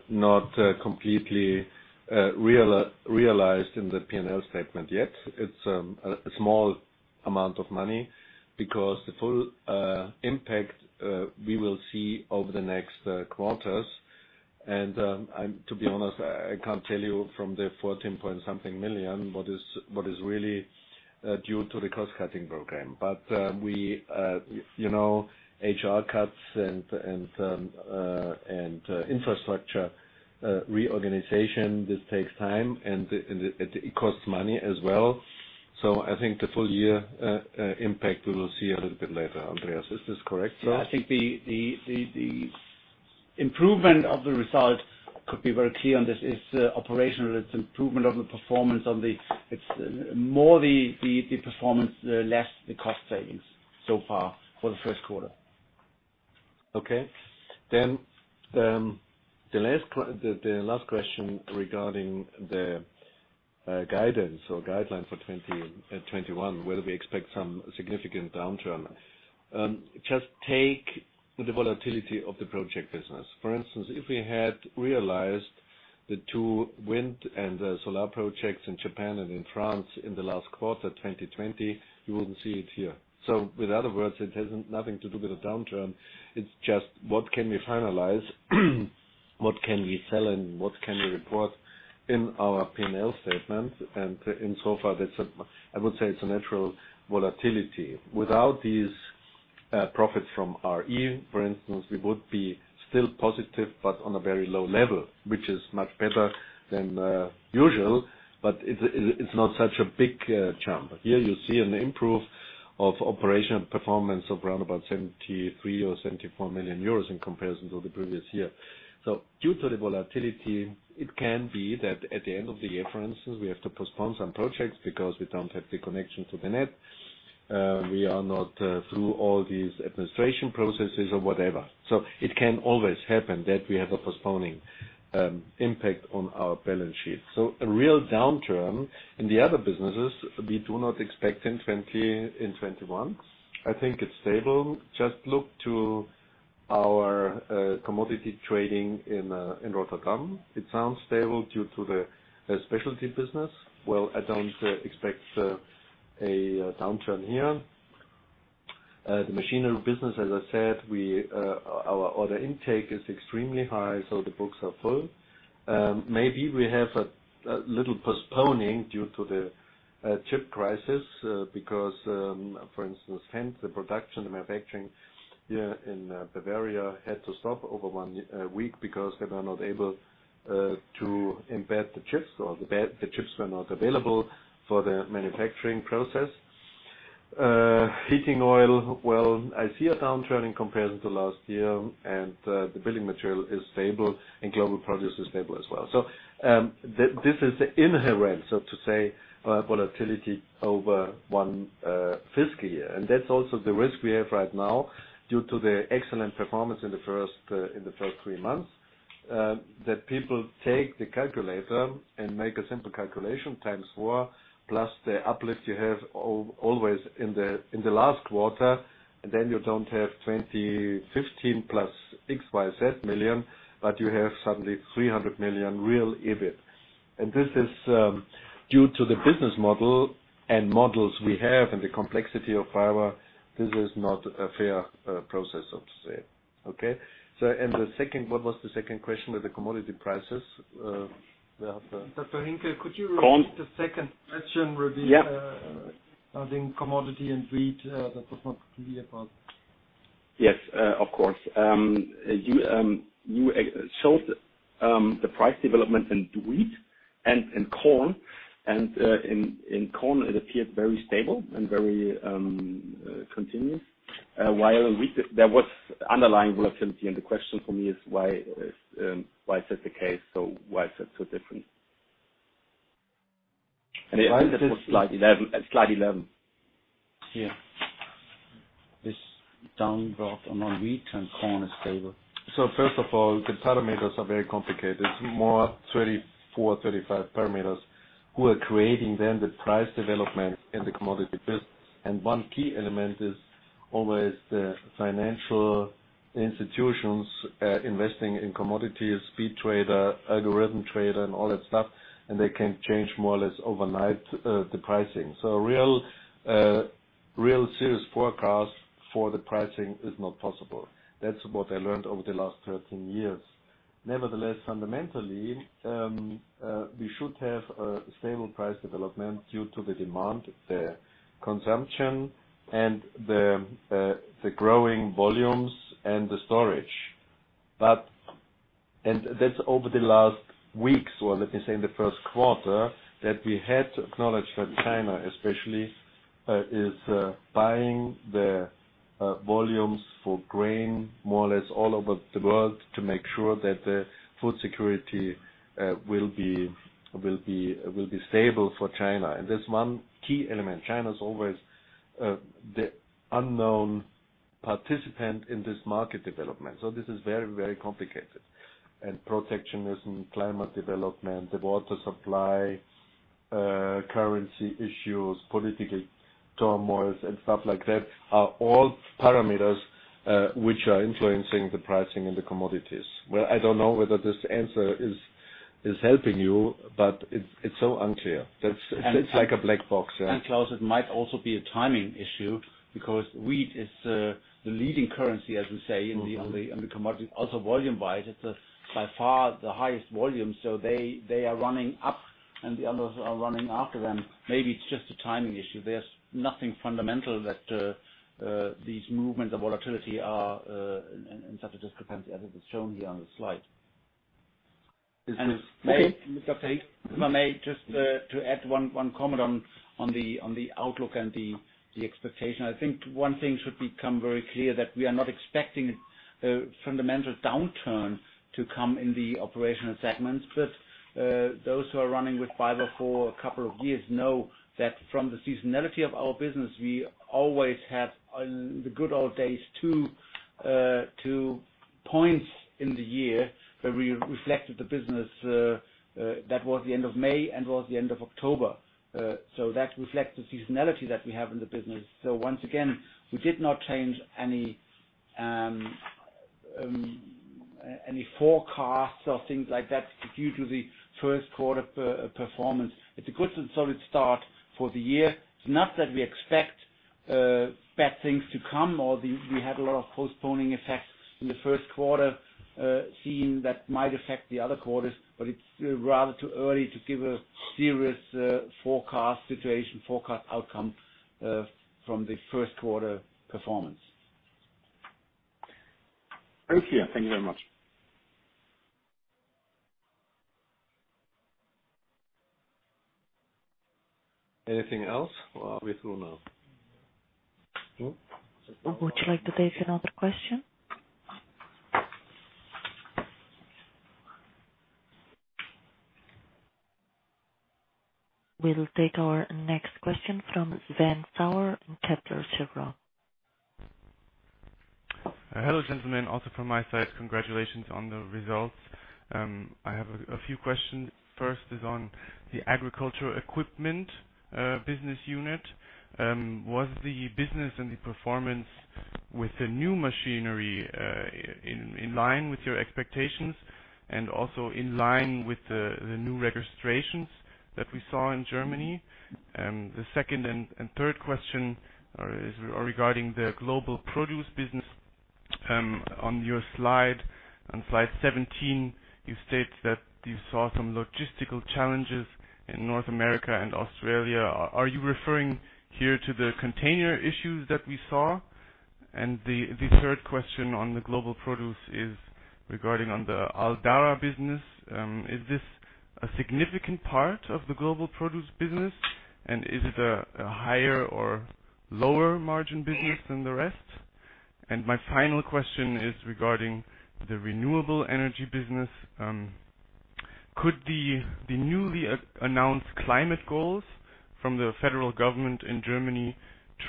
not completely realized in the P&L statement yet. It's a small amount of money because the full impact we will see over the next quarters. To be honest, I can't tell you from the 14 point something million what is really due to the cost-cutting program. HR cuts and infrastructure reorganization, this takes time, and it costs money as well. I think the full year impact we will see a little bit later. Andreas, is this correct? I think the improvement of the result could be very clear on this is operational. It's more the performance, less the cost savings so far for the first quarter. The last question regarding the guidance or guideline for 2021, whether we expect some significant downturn. Just take the volatility of the project business. For instance, if we had realized the two wind and solar projects in Japan and in France in the last quarter 2020, you wouldn't see it here. In other words, it has nothing to do with a downturn. It's just what can we finalize, what can we sell, and what can we report in our P&L statement. In so far, I would say it's a natural volatility. Without these profits from r.e., for instance, we would be still positive, but on a very low level, which is much better than usual, but it's not such a big jump. Here you see an improve of operational performance of around about 73 million or 74 million euros in comparison to the previous year. Due to the volatility, it can be that at the end of the year, for instance, we have to postpone some projects because we don't have the connection to the net. We are not through all these administration processes or whatever. It can always happen that we have a postponing impact on our balance sheet. A real downturn in the other businesses, we do not expect in 2021. I think it's stable. Just look to our commodity trading in Rotterdam. It sounds stable due to the specialty business. Well, I don't expect a downturn here. The machinery business, as I said, our order intake is extremely high, so the books are full. Maybe we have a little postponing due to the chip crisis because, for instance, hence the production, the manufacturing here in Bavaria had to stop over one week because they were not able to embed the chips or the chips were not available for the manufacturing process. Heating oil, well, I see a downturn in comparison to last year and the building material is stable and global produce is stable as well. This is inherent, so to say, volatility over one fiscal year. That's also the risk we have right now due to the excellent performance in the first three months, that people take the calculator and make a simple calculation times four, plus the uplift you have always in the last quarter, and then you don't have 2,015 plus EUR XYZ million, but you have suddenly 300 million real EBIT. This is due to the business model and models we have and the complexity of BayWa. This is not a fair process, so to say. Okay. What was the second question with the commodity prices? Knud, could you repeat the second question regarding commodity and wheat? Yeah. That was not clear for us. Yes. Of course. You showed the price development in wheat and in corn. In corn it appeared very stable and very continuous. While in wheat there was underlying volatility and the question for me is why is that the case? Why is that so different? I think that was slide 11. Here. This down draft and on wheat and corn is stable. First of all, the parameters are very complicated. More 34, 35 parameters who are creating then the price development in the commodity business. One key element is always the financial institutions investing in commodities, speed trader, algorithm trader, and all that stuff. They can change more or less overnight the pricing. Real serious forecast for the pricing is not possible. That's what I learned over the last 13 years. Nevertheless, fundamentally, we should have a stable price development due to the demand, the consumption and the growing volumes and the storage. That's over the last weeks or let me say in the first quarter, that we had to acknowledge that China especially is buying the volumes for grain more or less all over the world to make sure that the food security will be stable for China. There's one key element. China is always the unknown participant in this market development. This is very, very complicated. Protectionism, climate development, the water supply, currency issues, political turmoils and stuff like that are all parameters which are influencing the pricing in the commodities. Well, I don't know whether this answer is helping you, but it's so unclear. It's like a black box. Klaus, it might also be a timing issue because wheat is the leading currency, as we say, in the commodity. Volume-wise, it's by far the highest volume. They are running up and the others are running after them. Maybe it's just a timing issue. There's nothing fundamental that these movements of volatility are in such a discrepancy as it is shown here on the slide. Is this- If I may, just to add one comment on the outlook and the expectation. I think one thing should become very clear that we are not expecting a fundamental downturn to come in the operational segments. Those who are running with BayWa for a couple of years know that from the seasonality of our business, we always have, in the good old days, two points in the year where we reflected the business. That was the end of May and was the end of October. That reflects the seasonality that we have in the business. Once again, we did not change any forecasts or things like that due to the first quarter performance. It's a good and solid start for the year. It's not that we expect bad things to come, or we had a lot of postponing effects in the first quarter, seeing that might affect the other quarters, but it's rather too early to give a serious forecast situation, forecast outcome from the first quarter performance. Okay. Thank you very much. Anything else, or are we through now? No? Would you like to take another question? We'll take our next question from Sven Sauer, Kepler Cheuvreux. Hello, gentlemen. From my side, congratulations on the results. I have a few questions. First is on the agricultural equipment business unit. Was the business and the performance with the new machinery in line with your expectations and also in line with the new registrations that we saw in Germany? The second and third question are regarding the global produce business. On your slide, on slide 17, you state that you saw some logistical challenges in North America and Australia. Are you referring here to the container issues that we saw? The third question on the global produce is regarding on the Al Dahra business. Is this a significant part of the global produce business, and is it a higher or lower margin business than the rest? My final question is regarding the renewable energy business. Could the newly announced climate goals from the federal government in Germany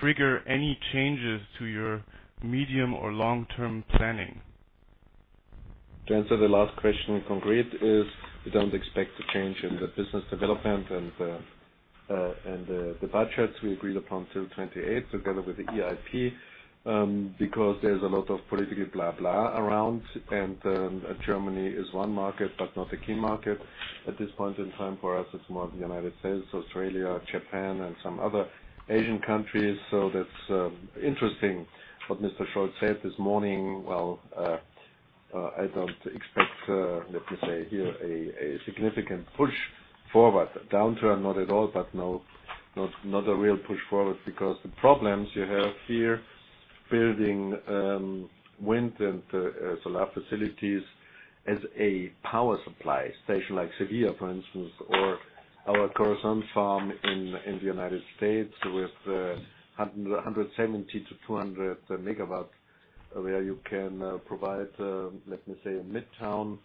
trigger any changes to your medium- or long-term planning? To answer the last question in concrete, we don't expect a change in the business development and the budgets we agreed upon till 2028 together with the EIP, because there's a lot of political blah blah around, and Germany is one market, but not a key market at this point in time for us. It's more of the U.S., Australia, Japan, and some other Asian countries. That's interesting what Mr. Lutz said this morning. Well, I don't expect, let me say here, a significant push forward. A downturn, not at all, but not a real push forward because the problems you have here building wind and solar facilities as a power supply station, like Seville, for instance, or our Corazon farm in the U.S. with 170-200 MW, where you can provide, let me say, a midtown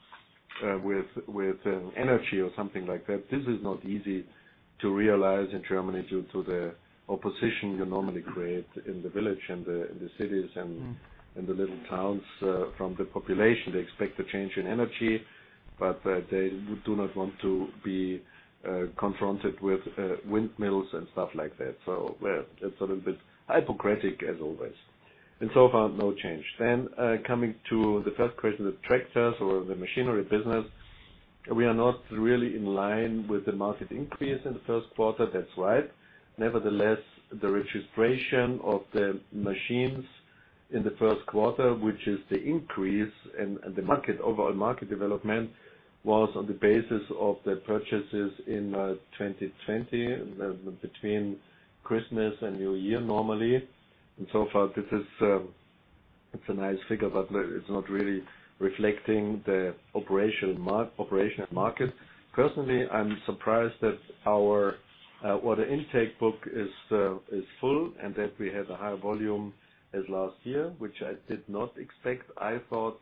with energy or something like that. This is not easy to realize in Germany due to the opposition you normally create in the village and the cities and the little towns from the population. They expect a change in energy, but they do not want to be confronted with windmills and stuff like that. It's a little bit hypocritic as always. So far, no change. Coming to the first question, the tractors or the machinery business, we are not really in line with the market increase in the first quarter, that's right. Nevertheless, the registration of the machines in the first quarter, which is the increase and the overall market development, was on the basis of the purchases in 2020, between Christmas and New Year, normally. So far, this is a nice figure, but it's not really reflecting the operational market. Personally, I'm surprised that our order intake book is full and that we have a higher volume as last year, which I did not expect. I thought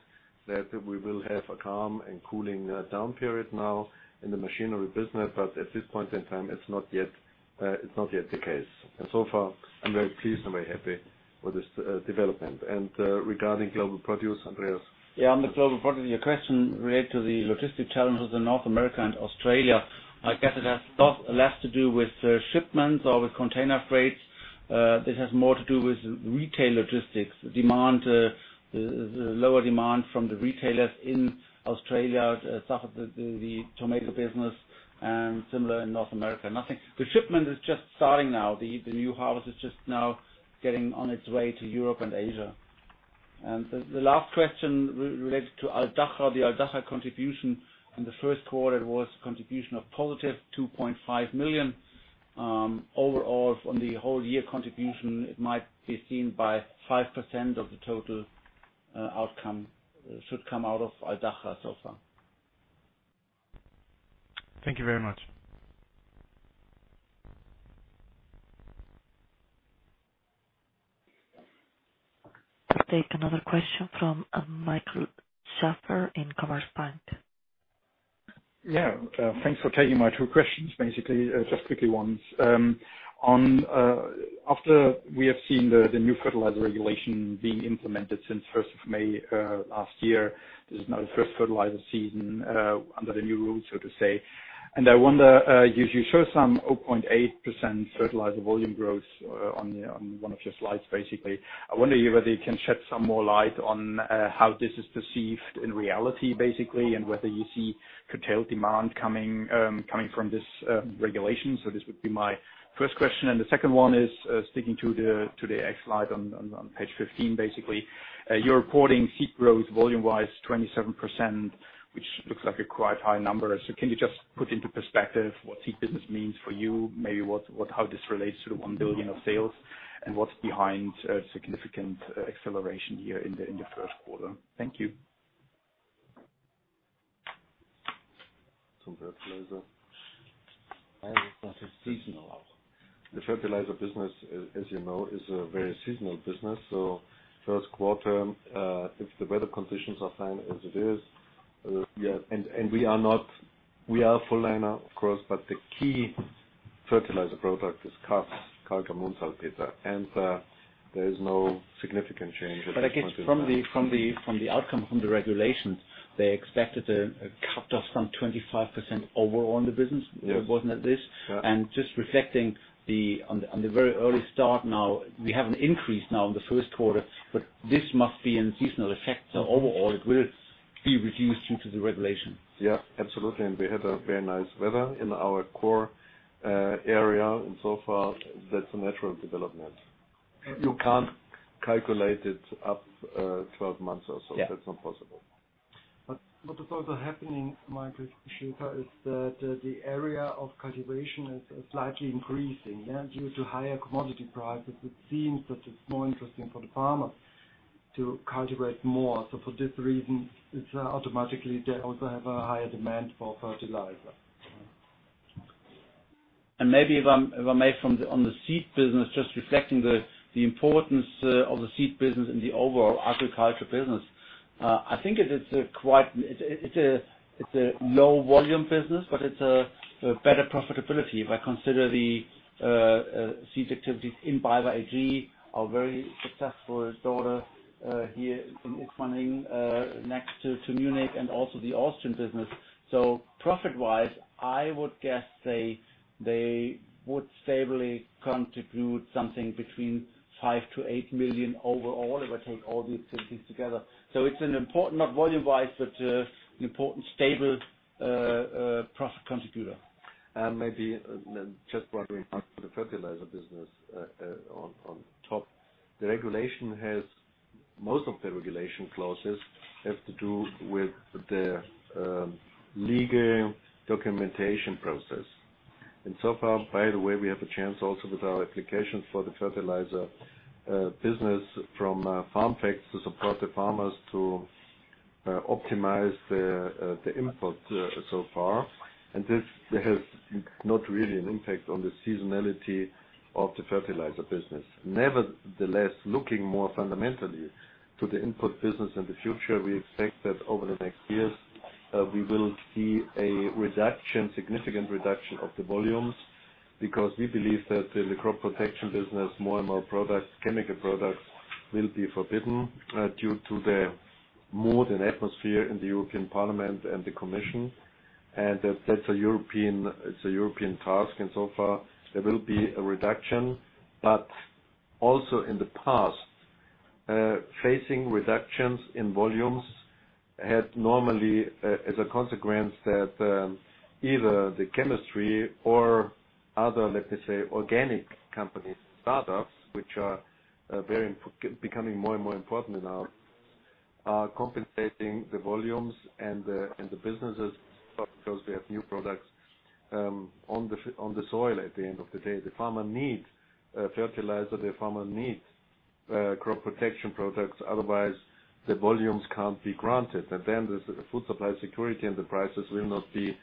that we will have a calm and cooling down period now in the machinery business, but at this point in time, it's not yet the case. So far, I'm very pleased and very happy with this development. Regarding global produce, Andreas. Yeah, on the global produce, your question relates to the logistics challenges in North America and Australia. I guess it has less to do with shipments or with container freight. This has more to do with retail logistics, the lower demand from the retailers in Australia, the tomato business, and similar in North America. The shipment is just starting now. The new harvest is just now getting on its way to Europe and Asia. The last question related to Al Dahra. The Al Dahra contribution in the first quarter was contribution of positive 2.5 million. Overall, on the whole year contribution, it might be seen by 5% of the total outcome should come out of Al Dahra so far. Thank you very much. We'll take another question from Michael Schäfer in Commerzbank. Yeah. Thanks for taking my two questions, basically, just quickly ones. After we have seen the new fertilizer regulation being implemented since May 1st last year, this is now the first fertilizer season under the new rules, so to say. I wonder, you show some 0.8% fertilizer volume growth on one of your slides, basically. I wonder whether you can shed some more light on how this is perceived in reality, basically, and whether you see curtailed demand coming from this regulation. This would be my first question. The second one is sticking to the X slide on page 15, basically. You are reporting seed growth volume-wise 27%, which looks like a quite high number. Can you just put into perspective what seed business means for you, maybe how this relates to the 1 billion of sales, and what's behind significant acceleration here in the first quarter? Thank you. Some fertilizer. It's not a seasonal. The fertilizer business, as you know, is a very seasonal business. First quarter, if the weather conditions are fine as it is. Yeah. We are a full liner, of course, but the key fertilizer product is KAS, Kalkammonsalpeter. There is no significant change at this point in time. I guess from the outcome from the regulations, they expected a cut of some 25% overall in the business. Yes. Wasn't it this? Yeah. Just reflecting on the very early start now, we have an increase now in the first quarter, but this must be a seasonal effect. Overall, it will be reduced due to the regulation. Yeah, absolutely. We had a very nice weather in our core area. So far, that's a natural development. You can't calculate it up 12 months or so. Yeah. That's not possible. What is also happening, Michael Schäfer, is that the area of cultivation is slightly increasing. Due to higher commodity prices, it seems that it's more interesting for the farmers to cultivate more. For this reason, it's automatically they also have a higher demand for fertilizer. Maybe if I may, on the seed business, just reflecting the importance of the seed business in the overall agricultural business. I think it's a low volume business, but it's a better profitability. If I consider the seed activities in BayWa AG, our very successful daughter here in Utting next to Munich and also the Austrian business. Profit-wise, I would guess they would stably contribute something between 5 million-8 million overall if I take all the activities together. It's an important, not volume-wise, but an important stable profit contributor. Maybe just broadly for the fertilizer business on top. Most of the regulation clauses have to do with the legal documentation process. So far, by the way, we have a chance also with our application for the fertilizer business from FarmFacts to support the farmers to optimize the input so far. This has not really an impact on the seasonality of the fertilizer business. Nevertheless, looking more fundamentally to the input business in the future, we expect that over the next years, we will see a significant reduction of the volumes, because we believe that in the crop protection business, more and more chemical products will be forbidden due to the mood and atmosphere in the European Parliament and the Commission. That's a European task, and so far, there will be a reduction. Also in the past, facing reductions in volumes had normally as a consequence that either the chemistry or other, let me say, organic companies, startups, which are becoming more and more important now, are compensating the volumes and the businesses because they have new products on the soil at the end of the day. The farmer needs fertilizer, the farmer needs crop protection products, otherwise, the volumes can't be granted. The food supply security and the prices will not be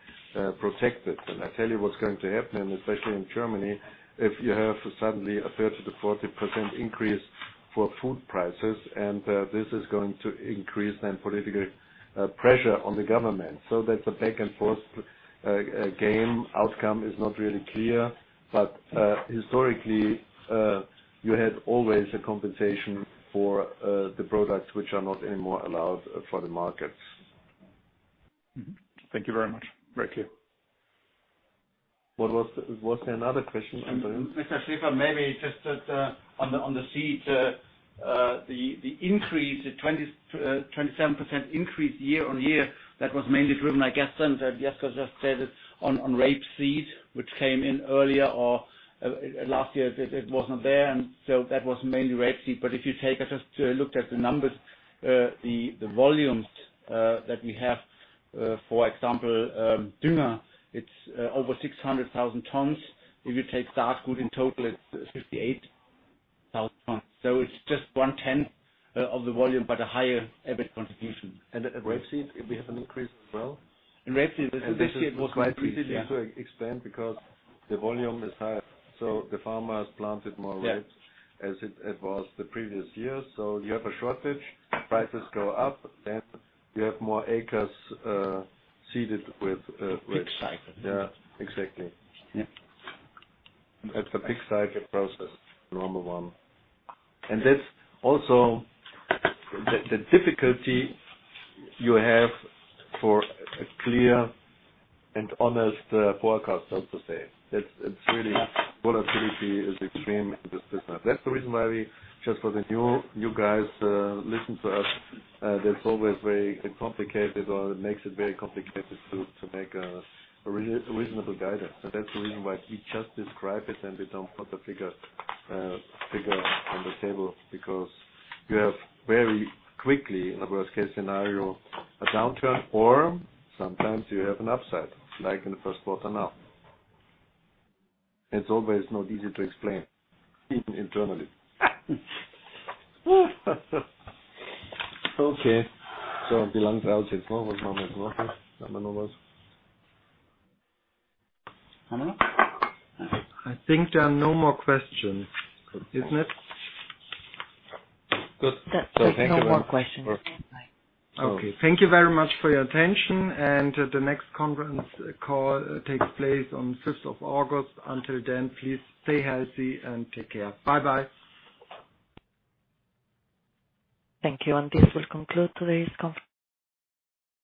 protected. I tell you what's going to happen, especially in Germany, if you have suddenly a 30%-40% increase for food prices, this is going to increase then political pressure on the government. That's a back-and-forth game. Outcome is not really clear, historically, you had always a compensation for the products which are not anymore allowed for the markets. Thank you very much. Right. Was there another question? Andreas. Michael Schäfer, maybe just on the seeds, the 27% increase year-on-year, that was mainly driven, I guess, and Josko just said it, on rapeseed, which came in earlier or last year it was not there, and so that was mainly rapeseed. I just looked at the numbers, the volumes that we have, for example, Dünger, it's over 600,000 tons. If you take Saatgut in total, it's 58,000 tons. It's just 1/10 of the volume, but a higher EBIT contribution. The rapeseed, we have an increase as well? In rapeseed, this year it was quite easy. This year it was quite easy to explain because the volume is higher, so the farmers planted more rapes as it was the previous year. You have a shortage, prices go up, then we have more acres seeded with. Pig cycle. Yeah, exactly. Yeah. That's a pig cycle process, normal one. That's also the difficulty you have for a clear and honest forecast, how to say. Volatility is extreme in this business. That's the reason why we, just for the new guys listening to us, that's always very complicated or it makes it very complicated to make a reasonable guidance. That's the reason why we just describe it and we don't put the figure on the table because you have very quickly, in a worst-case scenario, a downturn, or sometimes you have an upside, like in the first quarter now. It's always not easy to explain, even internally. Okay. I think there are no more questions. Isn't it? Good. There's no more questions. Bye. Okay. Thank you very much for your attention. The next conference call takes place on 5th of August. Until then, please stay healthy and take care. Bye-bye. Thank you. This will conclude today's conference.